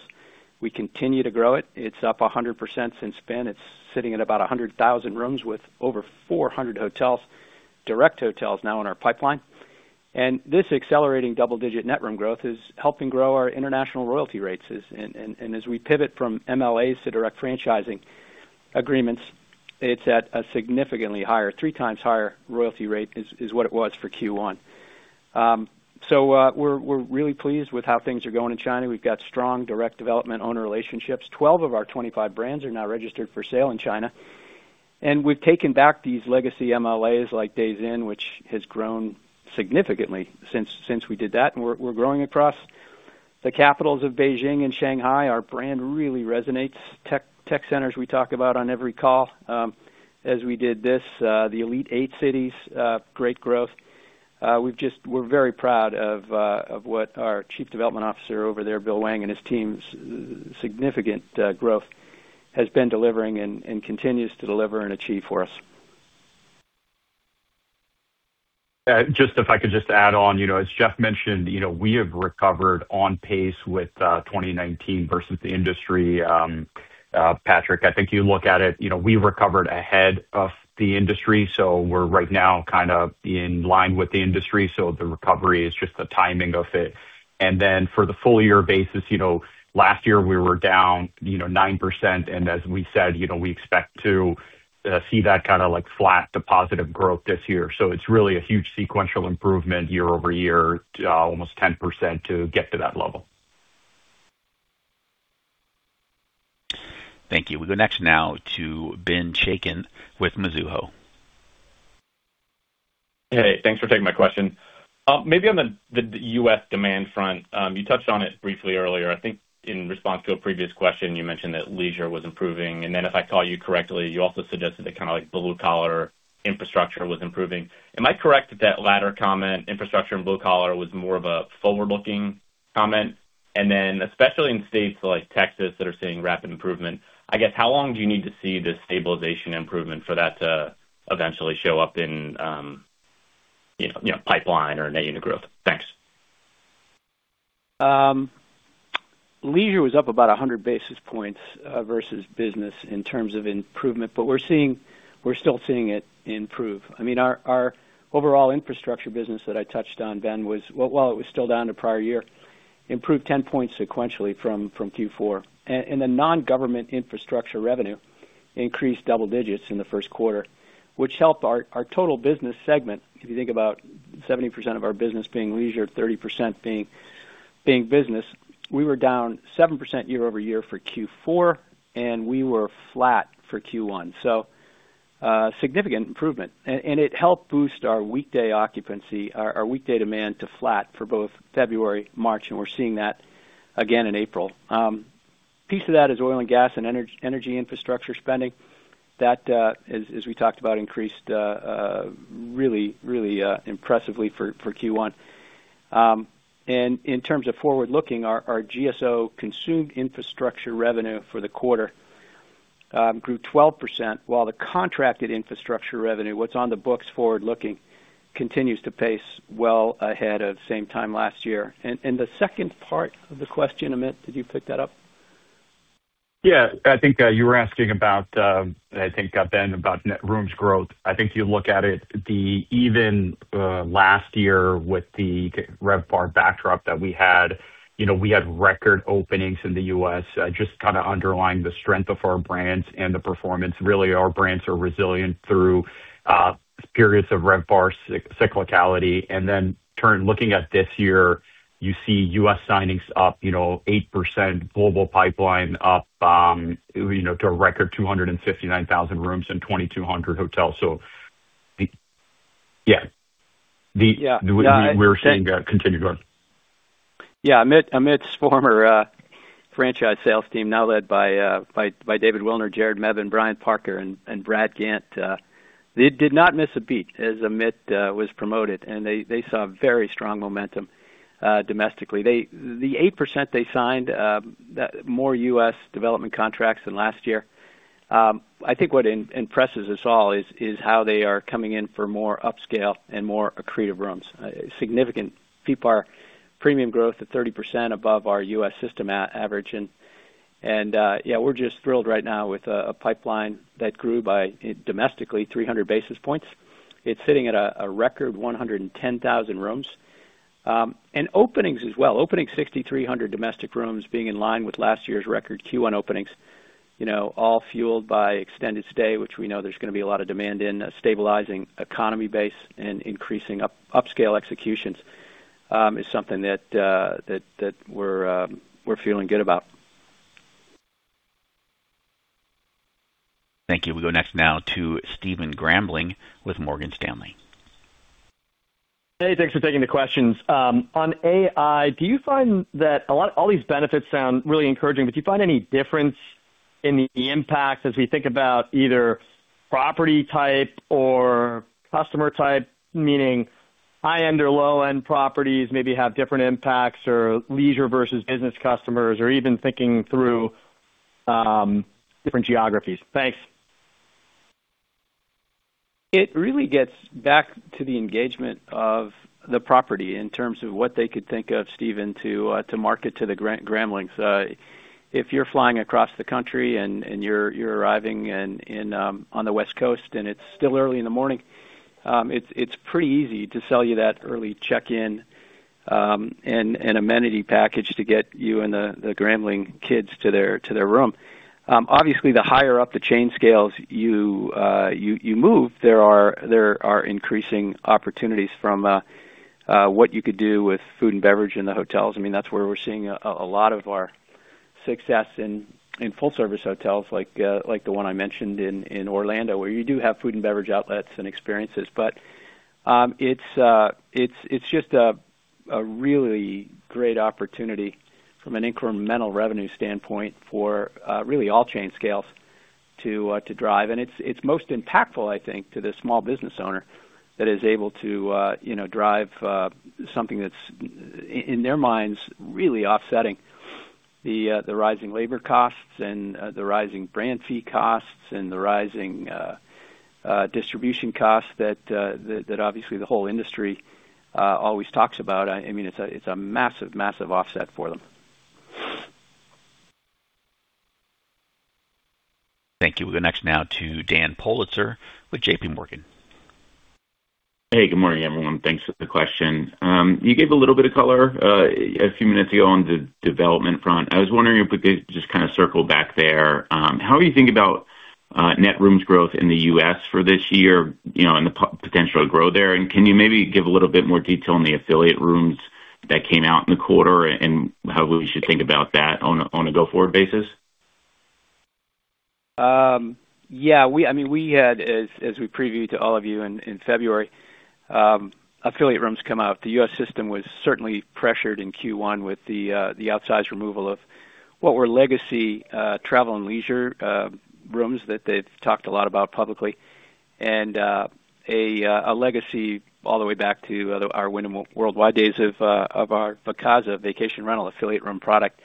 We continue to grow it. It's up 100% since spin. It's sitting at about 100,000 rooms with over 400 hotels, direct hotels now in our pipeline. This accelerating double-digit net room growth is helping grow our international royalty rates. As we pivot from MLAs to direct franchising agreements, it's at a significantly higher, three times higher royalty rate is what it was for Q1. We're really pleased with how things are going in China. We've got strong direct development owner relationships. 12 of our 25 brands are now registered for sale in China. We've taken back these legacy MLAs like Days Inn, which has grown significantly since we did that. We're growing across the capitals of Beijing and Shanghai. Our brand really resonates. Tech centers we talk about on every call, as we did this, the Elite Eight cities, great growth. We're very proud of what our Chief Development Officer over there, Bill Wang and his team's significant growth has been delivering and continues to deliver and achieve for us. If I could just add on. You know, as Geoff mentioned, you know, we have recovered on pace with 2019 versus the industry. Patrick, I think you look at it, you know, we recovered ahead of the industry. We're right now kind of in line with the industry. The recovery is just the timing of it. For the full year basis, you know, last year we were down, you know, 9%, as we said, you know, we expect to see that kind of like flat to positive growth this year. It's really a huge sequential improvement year-over-year, almost 10% to get to that level. Thank you. We go next now to Ben Chaiken with Mizuho. Hey, thanks for taking my question. Maybe on the U.S. demand front, you touched on it briefly earlier. I think in response to a previous question, you mentioned that leisure was improving, and then if I call you correctly, you also suggested that kind of like blue collar infrastructure was improving. Am I correct that that latter comment, infrastructure and blue collar was more of a forward-looking comment? Especially in states like Texas that are seeing rapid improvement, I guess how long do you need to see this stabilization improvement for that to eventually show up in, you know, pipeline or net unit growth? Thanks. Leisure was up about 100 basis points versus business in terms of improvement, we're still seeing it improve. I mean, our overall infrastructure business that I touched on, Ben, while it was still down to prior year, improved 10 points sequentially from Q4. The non-government infrastructure revenue increased double digits in the first quarter, which helped our total business segment. If you think about 70% of our business being leisure, 30% being business, we were down 7% year-over-year for Q4, we were flat for Q1. Significant improvement. It helped boost our weekday occupancy, our weekday demand to flat for both February, March, we're seeing that again in April. Piece of that is oil and gas and energy infrastructure spending. That, as we talked about, increased impressively for Q1. In terms of forward-looking, our GSO consumed infrastructure revenue for the quarter grew 12% while the contracted infrastructure revenue, what's on the books forward-looking, continues to pace well ahead of same time last year. The second part of the question, Amit, did you pick that up? Yeah. I think you were asking about, I think, Ben, about net rooms growth. I think if you look at it, even last year with the RevPAR backdrop that we had, you know, we had record openings in the U.S., just kind of underlying the strength of our brands and the performance. Really, our brands are resilient through periods of RevPAR cyclicality. Looking at this year, you see U.S. signings up, you know, 8%, global pipeline up, you know, to a record 259,000 rooms and 2,200 hotels. Yeah. Yeah. We're seeing continued growth. Amit's former franchise sales team, now led by David Wilner, Jared Meabon, Brian Parker, and Brad Gant. They did not miss a beat as Amit was promoted, and they saw very strong momentum domestically. The 8% they signed more U.S. development contracts than last year. I think what impresses us all is how they are coming in for more upscale and more accretive rooms. Significant FeePAR premium growth at 30% above our U.S. system average. Yeah, we're just thrilled right now with a pipeline that grew by, domestically, 300 basis points. It's sitting at a record 110,000 rooms. Openings as well. Opening 6,300 domestic rooms being in line with last year's record Q1 openings, you know, all fueled by extended stay, which we know there's gonna be a lot of demand in stabilizing economy base and increasing upscale executions, is something that we're feeling good about. Thank you. We'll go next now to Stephen Grambling with Morgan Stanley. Hey, thanks for taking the questions. On AI, do you find that all these benefits sound really encouraging? Do you find any difference in the impacts as we think about either property type or customer type, meaning high-end or low-end properties maybe have different impacts or leisure versus business customers, or even thinking through, different geographies? Thanks. It really gets back to the engagement of the property in terms of what they could think of, Stephen, to market to the Gramblings. If you're flying across the country and you're arriving in on the West Coast, and it's still early in the morning, it's pretty easy to sell you that early check-in and amenity package to get you and the Grambling kids to their room. Obviously, the higher up the chain scales you move, there are increasing opportunities from what you could do with food and beverage in the hotels. I mean, that's where we're seeing a lot of our success in full-service hotels like the one I mentioned in Orlando, where you do have food and beverage outlets and experiences. It's just a really great opportunity from an incremental revenue standpoint for really all chain scales to drive. It's most impactful, I think, to the small business owner that is able to, you know, drive something that's in their minds really offsetting the rising labor costs and the rising brand fee costs and the rising distribution costs that obviously the whole industry always talks about. I mean, it's a massive offset for them. Thank you. We'll go next now to Daniel Politzer with JPMorgan. Hey, good morning, everyone. Thanks for the question. You gave a little bit of color a few minutes ago on the development front. I was wondering if we could just kind of circle back there. How are you thinking about net rooms growth in the U.S. for this year, you know, and the potential to grow there? Can you maybe give a little bit more detail on the affiliate rooms that came out in the quarter and how we should think about that on a go-forward basis? I mean, we had, as we previewed to all of you in February, affiliate rooms come out. The U.S. system was certainly pressured in Q1 with the outsized removal of what were legacy, Travel and Leisure rooms that they've talked a lot about publicly, and a legacy all the way back to our Wyndham Worldwide days of our Vacasa vacation rental affiliate room product,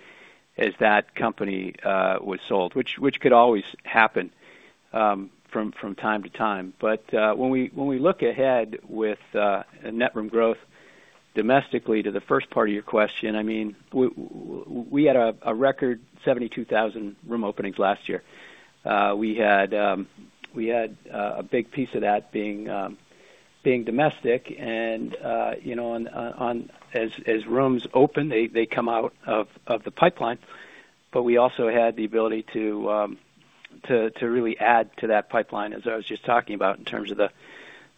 as that company was sold, which could always happen from time to time. When we look ahead with net room growth domestically, to the first part of your question, I mean, we had a record 72,000 room openings last year. We had a big piece of that being domestic and, you know, on. As rooms open, they come out of the pipeline, but we also had the ability to really add to that pipeline, as I was just talking about, in terms of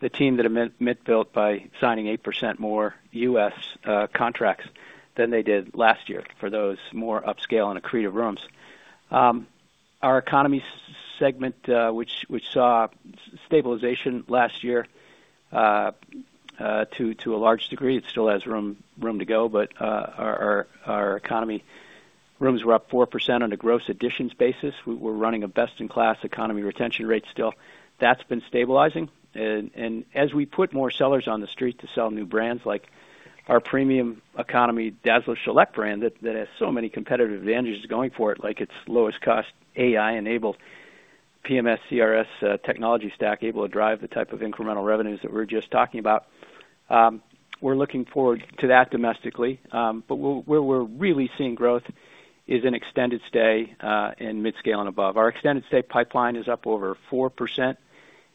the team that Amit built by signing 8% more U.S. contracts than they did last year for those more upscale and accretive rooms. Our economy segment, which saw stabilization last year to a large degree. It still has room to go, but our economy rooms were up 4% on a gross additions basis. We were running a best-in-class economy retention rate still. That's been stabilizing. As we put more sellers on the street to sell new brands like our premium economy Dazzler Select brand that has so many competitive advantages going for it, like its lowest cost AI-enabled PMS CRS technology stack, able to drive the type of incremental revenues that we were just talking about. We're looking forward to that domestically. Where we're really seeing growth is in extended stay and midscale and above. Our extended stay pipeline is up over 4%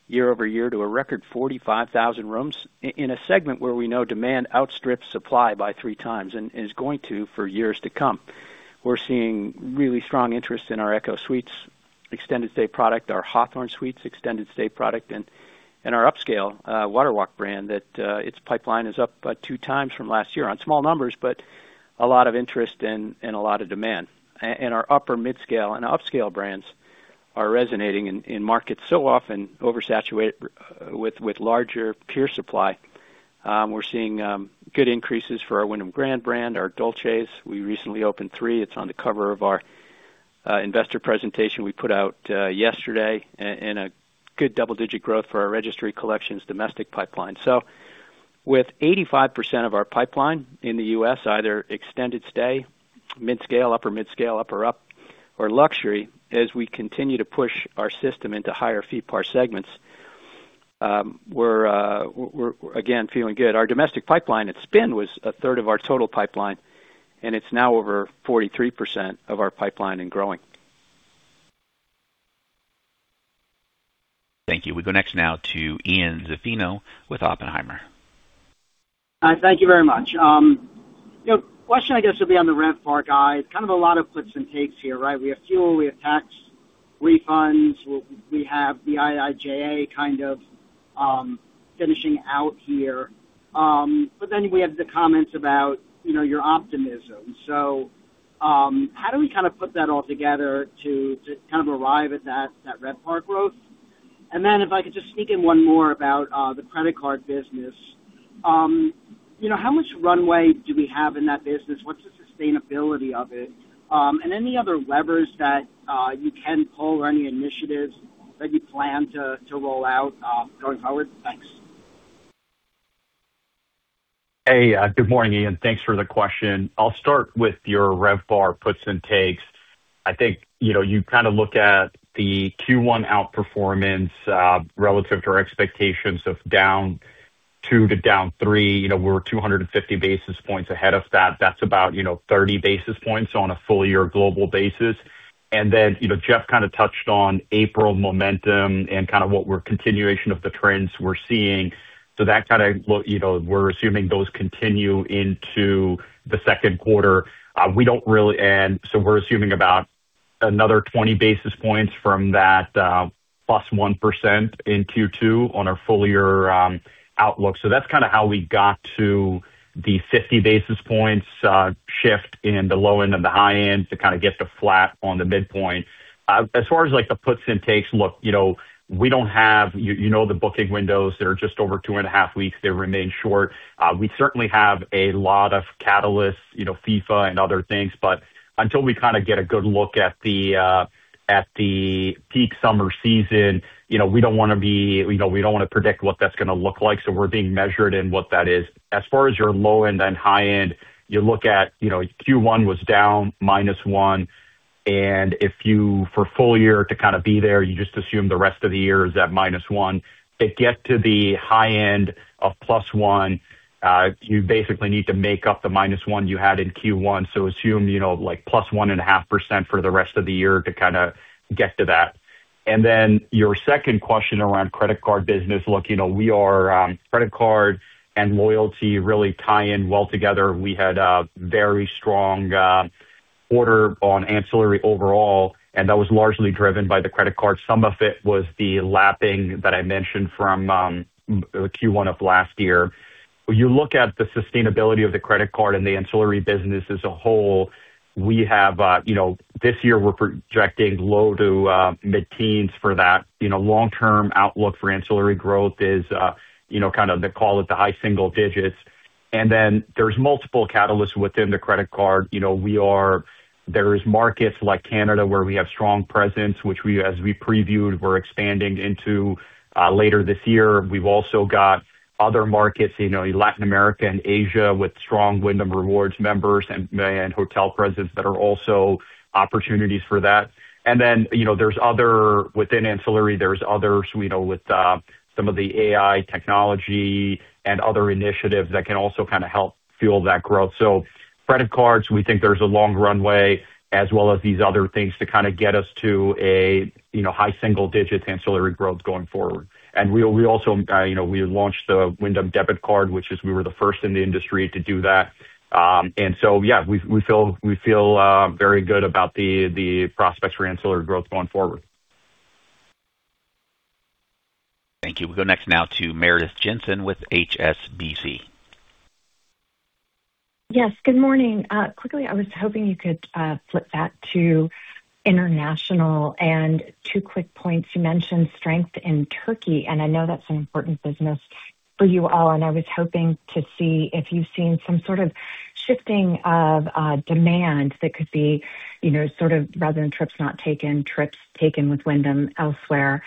year over year to a record 45,000 rooms in a segment where we know demand outstrips supply by 3x and is going to for years to come. We're seeing really strong interest in our ECHO Suites extended stay product, our Hawthorn Suites extended stay product, and our upscale WaterWalk brand that its pipeline is up two times from last year on small numbers, but a lot of interest and a lot of demand. Our upper midscale and upscale brands are resonating in markets so often oversaturated with larger peer supply. We're seeing good increases for our Wyndham Grand brand, our Dolces. We recently opened three. It's on the cover of our investor presentation we put out yesterday, and a good double-digit growth for our Registry Collection Hotels domestic pipeline. With 85% of our pipeline in the U.S., either extended stay, mid-scale, upper mid-scale, upper up, or luxury, as we continue to push our system into higher FeePAR segments, we're again feeling good. Our domestic pipeline at spin was a third of our total pipeline, and it's now over 43% of our pipeline and growing. Thank you. We go next now to Ian Zaffino with Oppenheimer. Thank you very much. You know, question I guess would be on the RevPAR guide, kind of a lot of puts and takes here, right? We have fuel, we have tax refunds, we have the IIJA kind of finishing out here. We have the comments about, you know, your optimism. How do we kind of put that all together to kind of arrive at that RevPAR growth? If I could just sneak in one more about the credit card business. You know, how much runway do we have in that business? What's the sustainability of it? Any other levers that you can pull or any initiatives that you plan to roll out going forward? Thanks. Hey, good morning, Ian. Thanks for the question. I'll start with your RevPAR puts and takes. I think, you know, you kind of look at the Q1 outperformance relative to our expectations of down 2% to down 3%. You know, we're 250 basis points ahead of that. That's about, you know, 30 basis points on a full year global basis. Then, you know, Geoff kind of touched on April momentum and kind of continuation of the trends we're seeing. That kind of, you know, we're assuming those continue into the second quarter. We're assuming about another 20 basis points from that, +1% in Q2 on our full year outlook. That's kind of how we got to the 50 basis points shift in the low end and the high end to kind of get to flat on the midpoint. As far as like the puts and takes, look, you know, we don't have, you know the booking windows, they're just over 2.5 weeks. They remain short. We certainly have a lot of catalysts, you know, FIFA and other things, but until we kind of get a good look at the peak summer season, you know, we don't wanna predict what that's gonna look like, so we're being measured in what that is. As far as your low end and high end, you look at, you know, Q1 was down -1%, for full year to kind of be there, you just assume the rest of the year is at -1%. To get to the high end of +1%, you basically need to make up the -1% you had in Q1. Assume, you know, like +1.5% for the rest of the year to kind of get to that. Your second question around credit card business. Look, you know, we are, credit card and loyalty really tie in well together. We had a very strong order on ancillary overall, that was largely driven by the credit card. Some of it was the lapping that I mentioned from Q1 of last year. When you look at the sustainability of the credit card and the ancillary business as a whole, we have, you know, this year we're projecting low to mid-teens for that. You know, long-term outlook for ancillary growth is, you know, kind of they call it the high single digits. There's multiple catalysts within the credit card. You know, there is markets like Canada, where we have strong presence, as we previewed, we're expanding into later this year. We've also got other markets, you know, Latin America and Asia, with strong Wyndham Rewards members and hotel presence that are also opportunities for that. You know, within ancillary, there's others, you know, with some of the AI technology and other initiatives that can also kind of help fuel that growth. Credit cards, we think there's a long runway as well as these other things to kind of get us to a, you know, high single digits ancillary growth going forward. We also, you know, we launched a Wyndham debit card, which is we were the first in the industry to do that. Yeah, we feel very good about the prospects for ancillary growth going forward. Thank you. We go next now to Meredith Jensen with HSBC. Yes, good morning. Quickly, I was hoping you could flip back to international and two quick points. You mentioned strength in Turkey, and I know that's an important business for you all, and I was hoping to see if you've seen some sort of shifting of demand that could be, you know, sort of rather than trips not taken, trips taken with Wyndham elsewhere.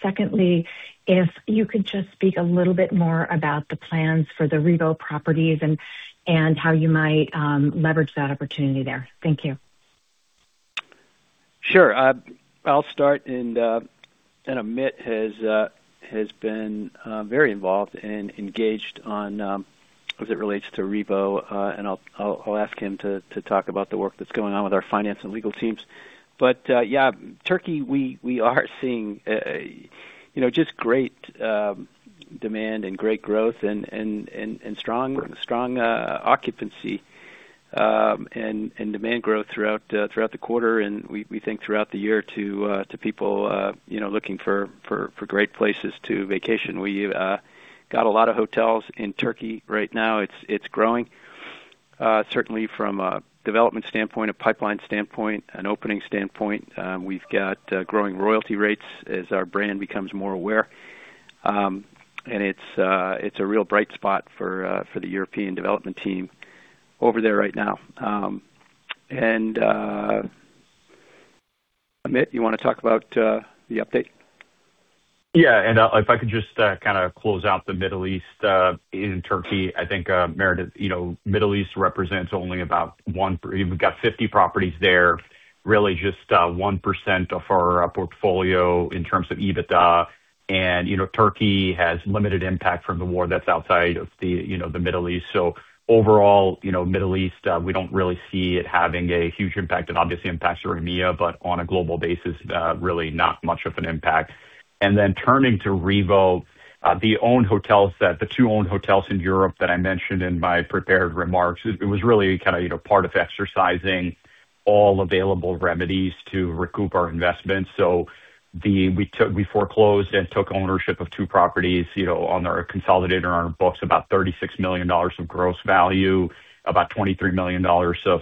Secondly, if you could just speak a little bit more about the plans for the Revo properties and how you might leverage that opportunity there. Thank you. Sure. I'll start and Amit has been very involved and engaged on as it relates to Revo, and I'll ask him to talk about the work that's going on with our finance and legal teams. Yeah, Turkey, we are seeing, you know, just great demand and great growth and strong occupancy and demand growth throughout throughout the quarter and we think throughout the year to people, you know, looking for great places to vacation. We got a lot of hotels in Turkey right now. It's growing. Certainly from a development standpoint, a pipeline standpoint, an opening standpoint, we've got growing royalty rates as our brand becomes more aware. It's a real bright spot for the European development team over there right now. Amit, you wanna talk about the update? Yeah. If I could just, kinda close out the Middle East, in Turkey, I think, Meredith, you know, Middle East represents only about We've got 50 properties there, really just 1% of our portfolio in terms of EBITDA. You know, Turkey has limited impact from the war that's outside of the, you know, the Middle East. Overall, you know, Middle East, we don't really see it having a huge impact. It obviously impacts our EMEA, but on a global basis, really not much of an impact. Turning to Revo, the owned hotel set, the two owned hotels in Europe that I mentioned in my prepared remarks, it was really kinda, you know, part of exercising all available remedies to recoup our investments. We foreclosed and took ownership of two properties, you know, on our consolidator, on our books, about $36 million of gross value, about $23 million of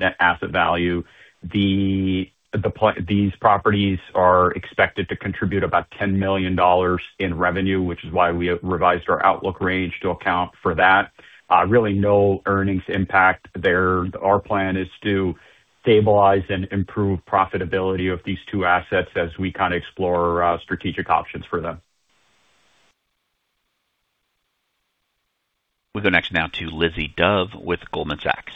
net asset value. These properties are expected to contribute about $10 million in revenue, which is why we revised our outlook range to account for that. Really no earnings impact there. Our plan is to stabilize and improve profitability of these two assets as we kinda explore strategic options for them. We'll go next now to Lizzie Dove with Goldman Sachs.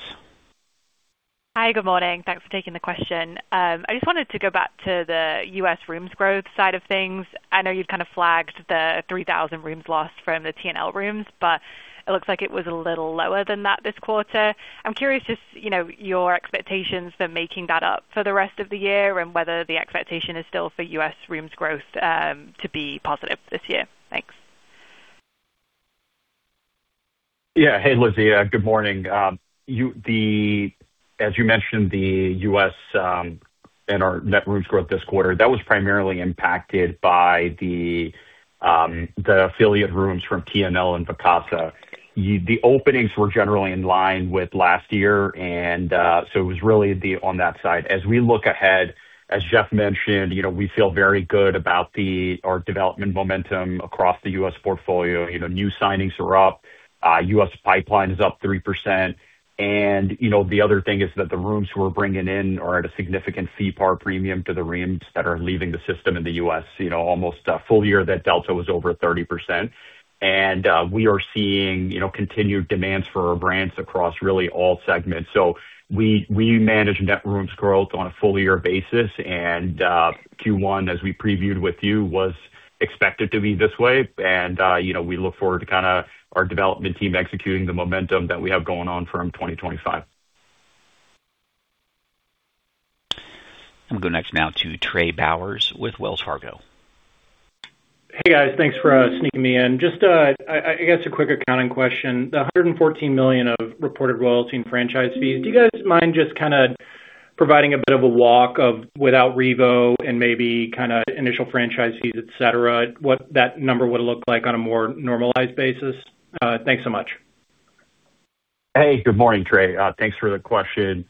Hi. Good morning. Thanks for taking the question. I just wanted to go back to the U.S. rooms growth side of things. I know you've kind of flagged the 3,000 rooms lost from the TNL rooms, but it looks like it was a little lower than that this quarter. I'm curious just, you know, your expectations for making that up for the rest of the year and whether the expectation is still for U.S. rooms growth to be positive this year. Thanks. Yeah. Hey, Lizzie. Good morning. As you mentioned, the U.S., and our net rooms growth this quarter, that was primarily impacted by the affiliate rooms from TNL and Vacasa. The openings were generally in line with last year. It was really on that side. As we look ahead, as Geoff mentioned, you know, we feel very good about our development momentum across the U.S. portfolio. You know, new signings are up. U.S. pipeline is up 3%. You know, the other thing is that the rooms we're bringing in are at a significant FeePAR premium to the rooms that are leaving the system in the U.S. You know, almost a full year, that delta was over 30%. We are seeing, you know, continued demands for our brands across really all segments. We, we manage net rooms growth on a full year basis. Q1, as we previewed with you, was expected to be this way. You know, we look forward to kind of our development team executing the momentum that we have going on from 2025. I'm gonna go next now to Trey Bowers with Wells Fargo. Hey, guys. Thanks for sneaking me in. Just a, I guess a quick accounting question. The $114 million of reported royalty and franchise fees, do you guys mind just kinda providing a bit of a walk of without Revo and maybe kinda initial franchise fees, et cetera, what that number would look like on a more normalized basis? Thanks so much. Hey, good morning, Trey. Thanks for the question.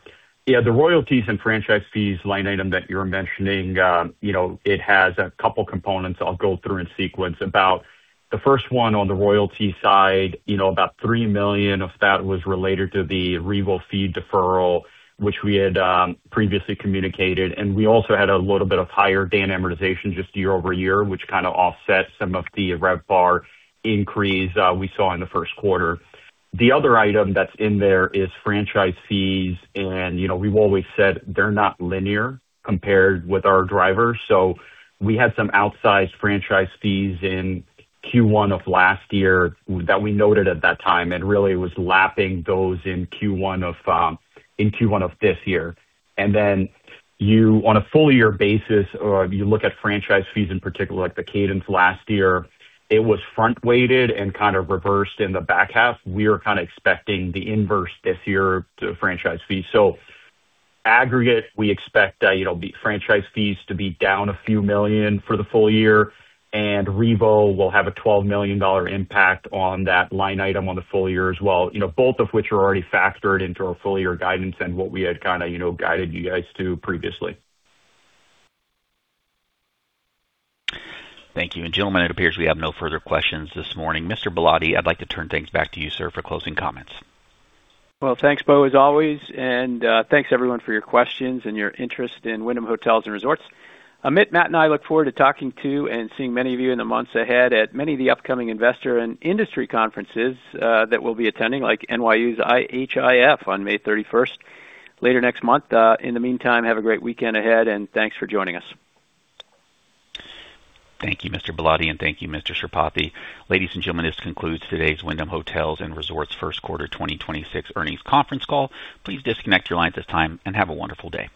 Yeah, the royalties and franchise fees line item that you're mentioning, you know, it has a couple components I'll go through in sequence. About the first one on the royalty side, you know, about $3 million of that was related to the Revo fee deferral, which we had previously communicated, and we also had a little bit of higher D&A amortization just year-over-year, which kind of offset some of the RevPAR increase we saw in the first quarter. The other item that's in there is franchise fees. You know, we've always said they're not linear compared with our drivers. We had some outsized franchise fees in Q1 of last year that we noted at that time and really was lapping those in Q1 of this year. On a full year basis or if you look at franchise fees in particular, like the cadence last year, it was front weighted and kind of reversed in the back half. We are kind of expecting the inverse this year to franchise fees. Aggregate, we expect, you know, the franchise fees to be down a few million for the full year, and Revo will have a $12 million impact on that line item on the full year as well. You know, both of which are already factored into our full year guidance and what we had kind of, you know, guided you guys to previously. Thank you. Gentlemen, it appears we have no further questions this morning. Mr. Ballotti, I'd like to turn things back to you, sir, for closing comments. Thanks, Bo, as always, thanks everyone for your questions and your interest in Wyndham Hotels & Resorts. Amit, Matt, and I look forward to talking to and seeing many of you in the months ahead at many of the upcoming investor and industry conferences that we'll be attending, like NYU's IHIF on May 31st, later next month. In the meantime, have a great weekend ahead, and thanks for joining us. Thank you, Mr. Ballotti, and thank you, Mr. Sripathi. Ladies and gentlemen, this concludes today's Wyndham Hotels & Resorts first quarter 2026 earnings conference call. Please disconnect your lines at this time, and have a wonderful day.